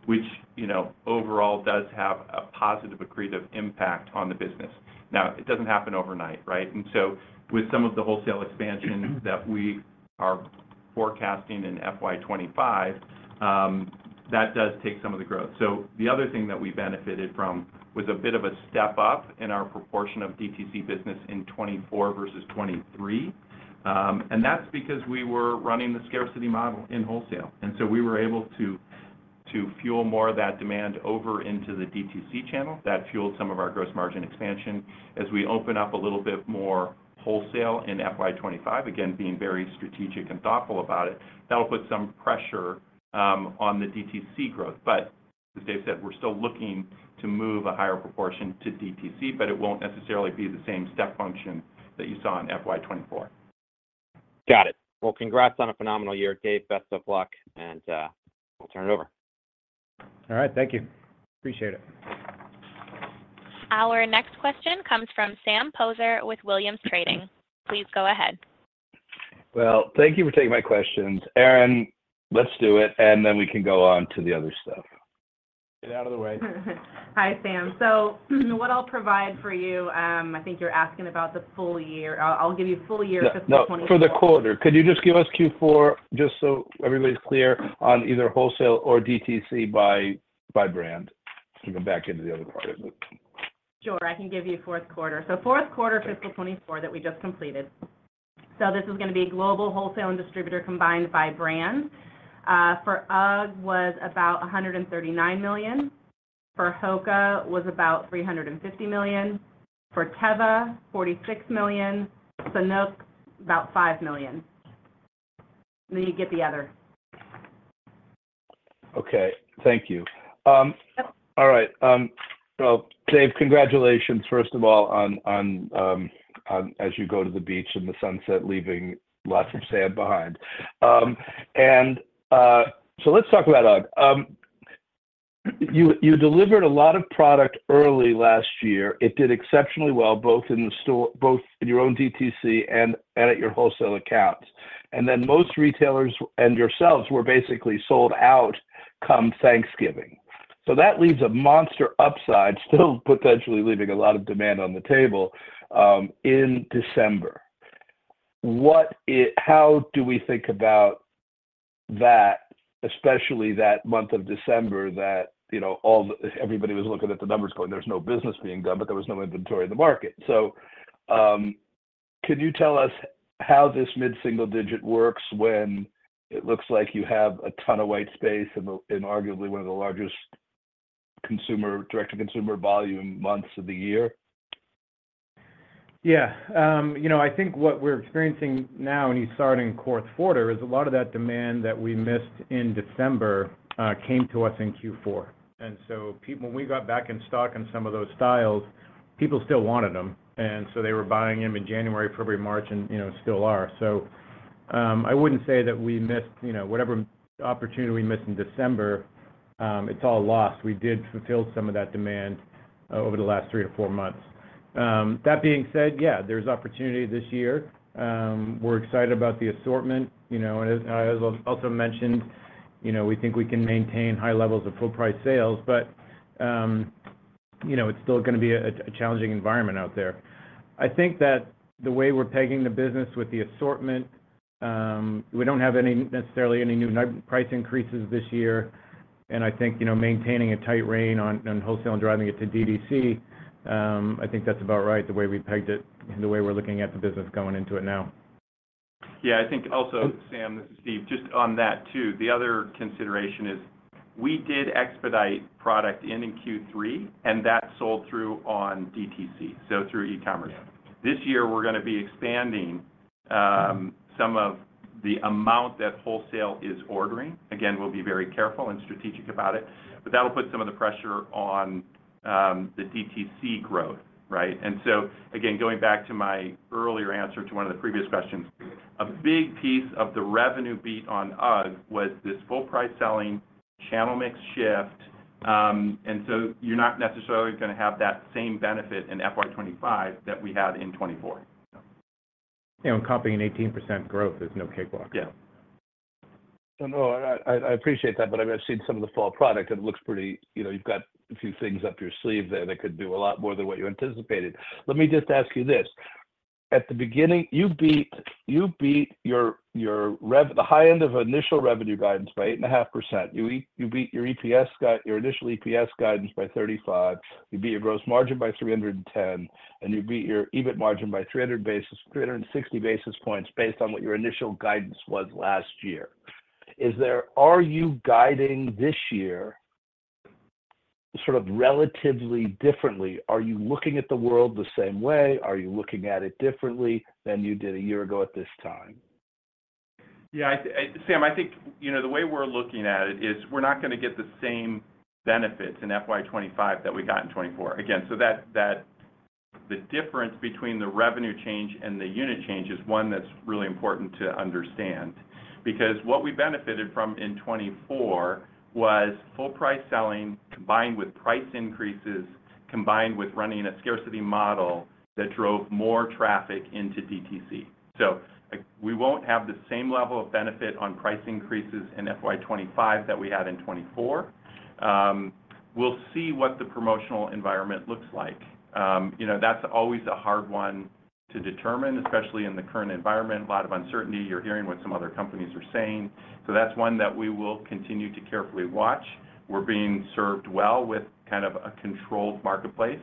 which, you know, overall does have a positive accretive impact on the business. Now, it doesn't happen overnight, right? And so with some of the wholesale expansion that we are forecasting in FY25, that does take some of the growth. So the other thing that we benefited from was a bit of a step up in our proportion of DTC business in 2024 versus 2023. And that's because we were running the scarcity model in wholesale, and so we were able to to fuel more of that demand over into the DTC channel. That fueled some of our gross margin expansion as we open up a little bit more wholesale in FY25. Again, being very strategic and thoughtful about it. That'll put some pressure on the DTC growth, but as Dave said, we're still looking to move a higher proportion to DTC, but it won't necessarily be the same step function that you saw in FY24. Got it. Well, congrats on a phenomenal year, Dave. Best of luck, and we'll turn it over. All right. Thank you. Appreciate it. Our next question comes from Sam Poser with Williams Trading. Please go ahead. Well, thank you for taking my questions. Erinn, let's do it, and then we can go on to the other stuff. Get out of the way. Hi, Sam. So, what I'll provide for you, I think you're asking about the full year. I'll give you full year fiscal 2024. Yeah. No, for the quarter. Could you just give us Q4 just so everybody's clear on either wholesale or DTC by, by brand? We can back into the other part of it. Sure, I can give you fourth quarter. So fourth quarter fiscal 2024 that we just completed. So this is gonna be global wholesale and distributor combined by brand. For UGG was about $139 million, for HOKA was about $350 million, for Teva, $46 million, Sanuk, about $5 million. Then you get the other. Okay. Thank you. Yep. All right. Well, Dave, congratulations, first of all, on as you go to the beach in the sunset, leaving lots of sand behind. So let's talk about UGG. You delivered a lot of product early last year. It did exceptionally well, both in the store, both in your own DTC and at your wholesale accounts. And then most retailers and yourselves were basically sold out come Thanksgiving. So that leaves a monster upside, still potentially leaving a lot of demand on the table in December. What it - how do we think about that, especially that month of December, that you know, all the, Everybody was looking at the numbers going, there's no business being done, but there was no inventory in the market. Can you tell us how this mid-single digit works when it looks like you have a ton of white space in arguably one of the largest consumer, direct-to-consumer volume months of the year? Yeah. You know, I think what we're experiencing now, and you're starting in fourth quarter, is a lot of that demand that we missed in December, came to us in Q4. And so people, when we got back in stock in some of those styles, people still wanted them, and so they were buying them in January, February, March and, you know, still are. So, I wouldn't say that we missed, you know, whatever opportunity we missed in December, it's all lost. We did fulfill some of that demand over the last 3-4 months. That being said, yeah, there's opportunity this year. We're excited about the assortment, you know, and as I also mentioned, you know, we think we can maintain high levels of full price sales, but, you know, it's still gonna be a challenging environment out there. I think that the way we're pegging the business with the assortment, we don't have any, necessarily any new price increases this year, and I think, you know, maintaining a tight rein on, on wholesale and driving it to DTC, I think that's about right, the way we pegged it and the way we're looking at the business going into it now. Yeah, I think also, Sam, this is Steve, just on that too. The other consideration is we did expedite product in Q3, and that sold through on DTC, so through e-commerce. Yeah. This year, we're gonna be expanding some of the amount that wholesale is ordering. Again, we'll be very careful and strategic about it, but that'll put some of the pressure on the DTC growth, right? And so, again, going back to my earlier answer to one of the previous questions, a big piece of the revenue beat on UGG was this full price selling channel mix shift. And so you're not necessarily gonna have that same benefit in FY25 that we had in FY24. You know, copying 18% growth is no cakewalk. Yeah. So no, I appreciate that, but I've seen some of the fall product. It looks pretty, You know, you've got a few things up your sleeve there that could do a lot more than what you anticipated. Let me just ask you this: at the beginning, you beat the high end of initial revenue guidance by 8.5%. You beat your initial EPS guidance by 35, you beat your gross margin by 310, and you beat your EBIT margin by 360 basis points based on what your initial guidance was last year. Are you guiding this year? sort of relatively differently? Are you looking at the world the same way? Are you looking at it differently than you did a year ago at this time? Yeah, Sam, I think, you know, the way we're looking at it is we're not gonna get the same benefits in FY25 that we got in FY24. Again, the difference between the revenue change and the unit change is one that's really important to understand. Because what we benefited from in FY24 was full price selling, combined with price increases, combined with running a scarcity model that drove more traffic into DTC. So we won't have the same level of benefit on price increases in FY25 that we had in FY24. We'll see what the promotional environment looks like. You know, that's always a hard one to determine, especially in the current environment. A lot of uncertainty. You're hearing what some other companies are saying. So that's one that we will continue to carefully watch. We're being served well with kind of a controlled marketplace,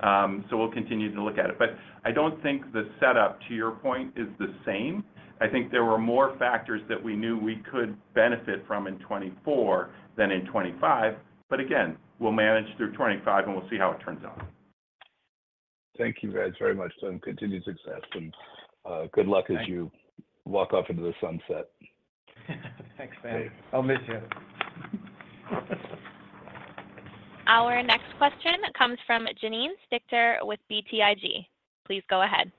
so we'll continue to look at it. But I don't think the setup, to your point, is the same. I think there were more factors that we knew we could benefit from in FY24 than in FY25. But again, we'll manage through 2025, and we'll see how it turns out. Thank you guys very much, and continued success, and good luck. Thanks... as you walk off into the sunset. Thanks, Sam. Hey. I'll miss you. Our next question comes from Janine Stichter with BTIG. Please go ahead.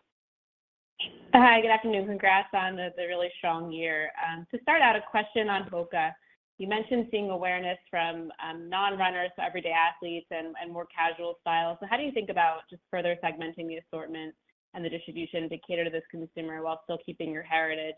Hi. Good afternoon. Congrats on the really strong year. To start out, a question on HOKA. You mentioned seeing awareness from non-runners to everyday athletes and more casual styles. So how do you think about just further segmenting the assortment and the distribution to cater to this consumer while still keeping your heritage?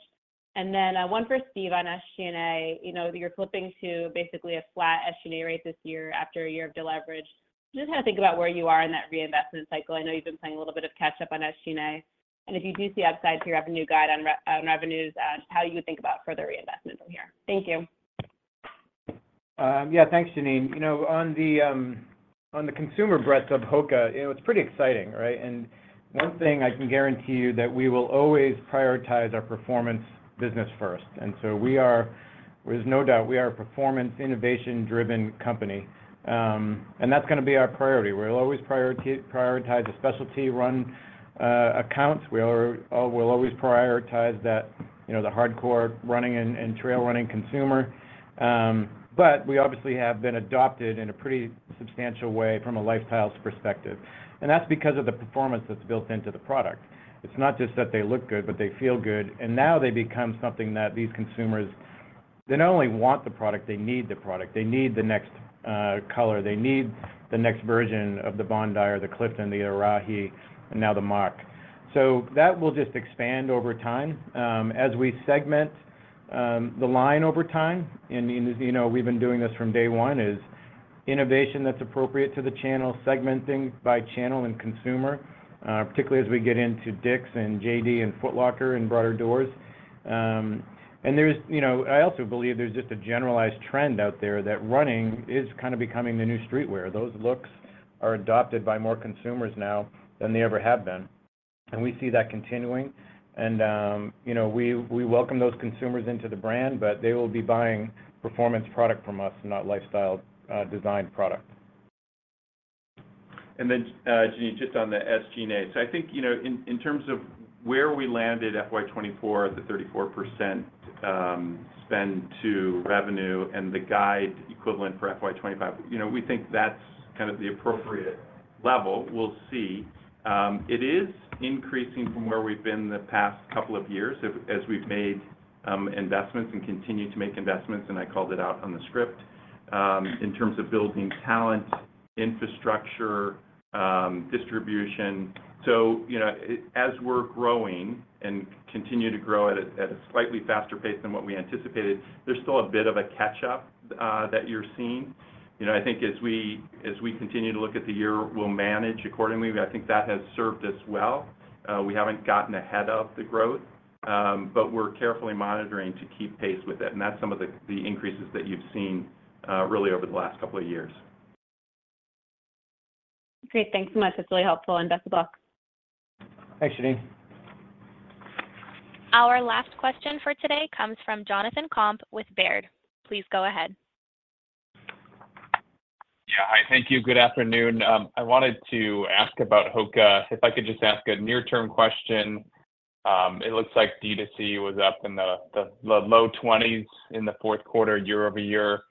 And then, one for Steve on SG&A. You know, you're clipping to basically a flat SG&A rate this year after a year of deleverage. Just how to think about where you are in that reinvestment cycle. I know you've been playing a little bit of catch-up on SG&A, and if you do see upside to your revenue guide on revenues, how you would think about further reinvestment from here. Thank you. Yeah, thanks, Janine. You know, on the, on the consumer breadth of HOKA, you know, it's pretty exciting, right? And one thing I can guarantee you that we will always prioritize our performance business first, and so we are. There's no doubt we are a performance, innovation-driven company. And that's gonna be our priority. We'll always prioritize the specialty run accounts. We'll always prioritize that, you know, the hardcore running and trail running consumer. But we obviously have been adopted in a pretty substantial way from a lifestyles perspective, and that's because of the performance that's built into the product. It's not just that they look good, but they feel good, and now they become something that these consumers, they not only want the product, they need the product. They need the next color. They need the next version of the Bondi or the Clifton, the Arahi, and now the Mach. So that will just expand over time. As we segment the line over time, and, you know, we've been doing this from day one, is innovation that's appropriate to the channel, segmenting by channel and consumer, particularly as we get into Dick's and JD and Foot Locker and broader doors. And there's just a generalized trend out there that running is kind of becoming the new streetwear. Those looks are adopted by more consumers now than they ever have been, and we see that continuing. And, you know, we welcome those consumers into the brand, but they will be buying performance product from us, not lifestyle, design product. And then, Janine, just on the SG&A. So I think, you know, in, in terms of where we landed FY24, at the 34% spend to revenue and the guide equivalent for FY25, you know, we think that's kind of the appropriate level. We'll see. It is increasing from where we've been the past couple of years as, as we've made investments and continue to make investments, and I called it out on the script, in terms of building talent, infrastructure, distribution. So, you know, as we're growing and continue to grow at a, at a slightly faster pace than what we anticipated, there's still a bit of a catch-up that you're seeing. You know, I think as we, as we continue to look at the year, we'll manage accordingly. I think that has served us well. We haven't gotten ahead of the growth, but we're carefully monitoring to keep pace with it, and that's some of the increases that you've seen, really over the last couple of years. Great. Thanks so much. That's really helpful, and best of luck. Thanks, Janine. Our last question for today comes from Jonathan Komp with Baird. Please go ahead. Yeah. Hi, thank you. Good afternoon. I wanted to ask about HOKA, if I could just ask a near-term question. It looks like DTC was up in the low 20s in the fourth quarter, year-over-year,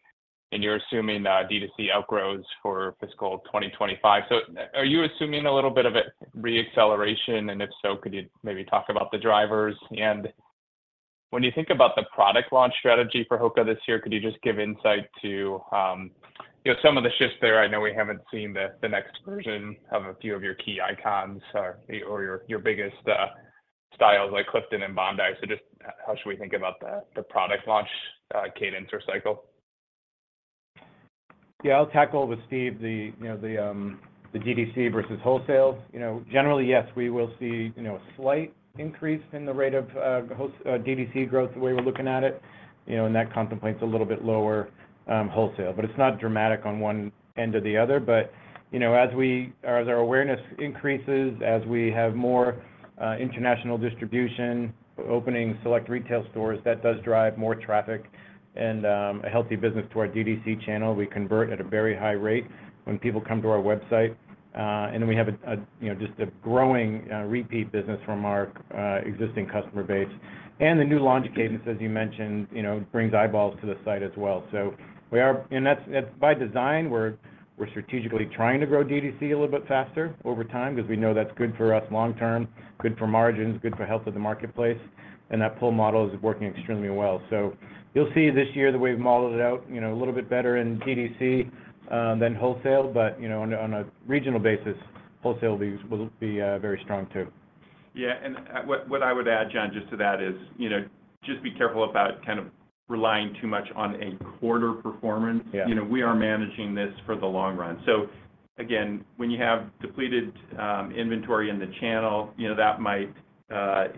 and you're assuming DTC outgrows for fiscal 2025. So are you assuming a little bit of a re-acceleration, and if so, could you maybe talk about the drivers? And when you think about the product launch strategy for HOKA this year, could you just give insight to, you know, some of the shifts there? I know we haven't seen the next version of a few of your key icons or your biggest styles, like Clifton and Bondi. So just how should we think about the product launch cadence or cycle? Yeah, I'll tackle with Steve the DTC versus wholesale. You know, generally, yes, we will see, you know, a slight increase in the rate of DTC growth, the way we're looking at it, you know, and that contemplates a little bit lower wholesale, but it's not dramatic on one end or the other. But you know, as our awareness increases, as we have more international distribution, opening select retail stores, that does drive more traffic and a healthy business to our DTC channel. We convert at a very high rate when people come to our website. And then we have a you know, just a growing repeat business from our existing customer base. And the new launch cadence, as you mentioned, you know, brings eyeballs to the site as well. And that's, and by design, we're strategically trying to grow DTC a little bit faster over time because we know that's good for us long term, good for margins, good for health of the marketplace, and that pull model is working extremely well. So you'll see this year, the way we've modeled it out, you know, a little bit better in DTC than wholesale, but, you know, on a regional basis, wholesale will be very strong too. Yeah. And what I would add, John, just to that is, you know, just be careful about kind of relying too much on a quarter performance. Yeah. You know, we are managing this for the long run. So again, when you have depleted inventory in the channel, you know, that might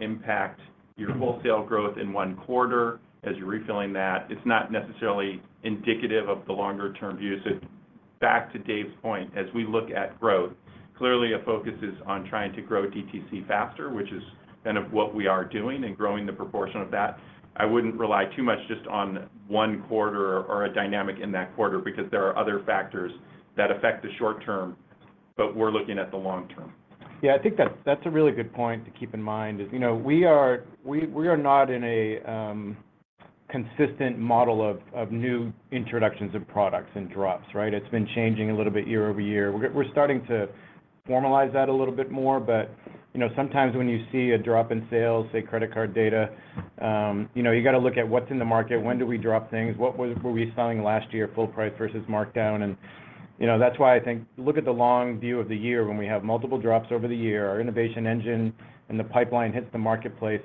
impact your wholesale growth in one quarter as you're refilling that. It's not necessarily indicative of the longer-term view. So back to Dave's point, as we look at growth, clearly, a focus is on trying to grow DTC faster, which is kind of what we are doing and growing the proportion of that. I wouldn't rely too much just on one quarter or a dynamic in that quarter because there are other factors that affect the short term, but we're looking at the long term. Yeah, I think that's a really good point to keep in mind is, you know, we are not in a consistent model of new introductions of products and drops, right? It's been changing a little bit year-over-year. We're starting to formalize that a little bit more, but, you know, sometimes when you see a drop in sales, say, credit card data, you know, you got to look at what's in the market, when do we drop things, what was, were we selling last year, full price versus markdown. And, you know, that's why I think look at the long view of the year when we have multiple drops over the year, our innovation engine and the pipeline hits the marketplace.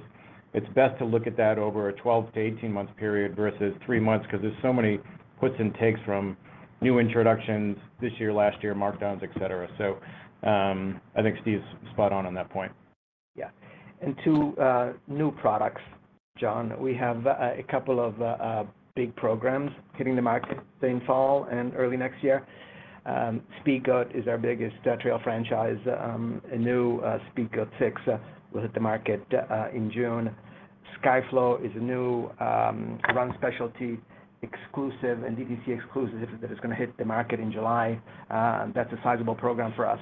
It's best to look at that over a 12-18 months period versus three months, because there's so many puts and takes from new introductions this year, last year, markdowns, et cetera. So, I think Steve's spot on on that point. Yeah. And two new products, John. We have a couple of big programs hitting the market late fall and early next year. Speedgoat is our biggest trail franchise. A new Speedgoat 6 will hit the market in June. Skyflow is a new run specialty exclusive and DTC exclusive that is gonna hit the market in July. And that's a sizable program for us.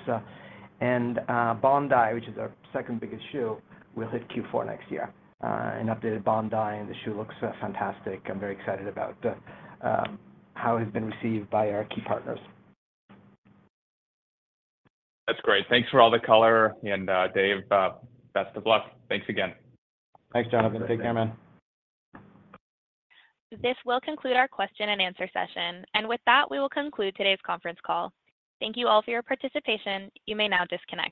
And Bondi, which is our second biggest shoe, will hit Q4 next year. An updated Bondi, and the shoe looks fantastic. I'm very excited about how it's been received by our key partners. That's great. Thanks for all the color, and, Dave, best of luck. Thanks again. Thanks, Jonathan. Take care, man. This will conclude our question and answer session, and with that, we will conclude today's conference call. Thank you all for your participation. You may now disconnect.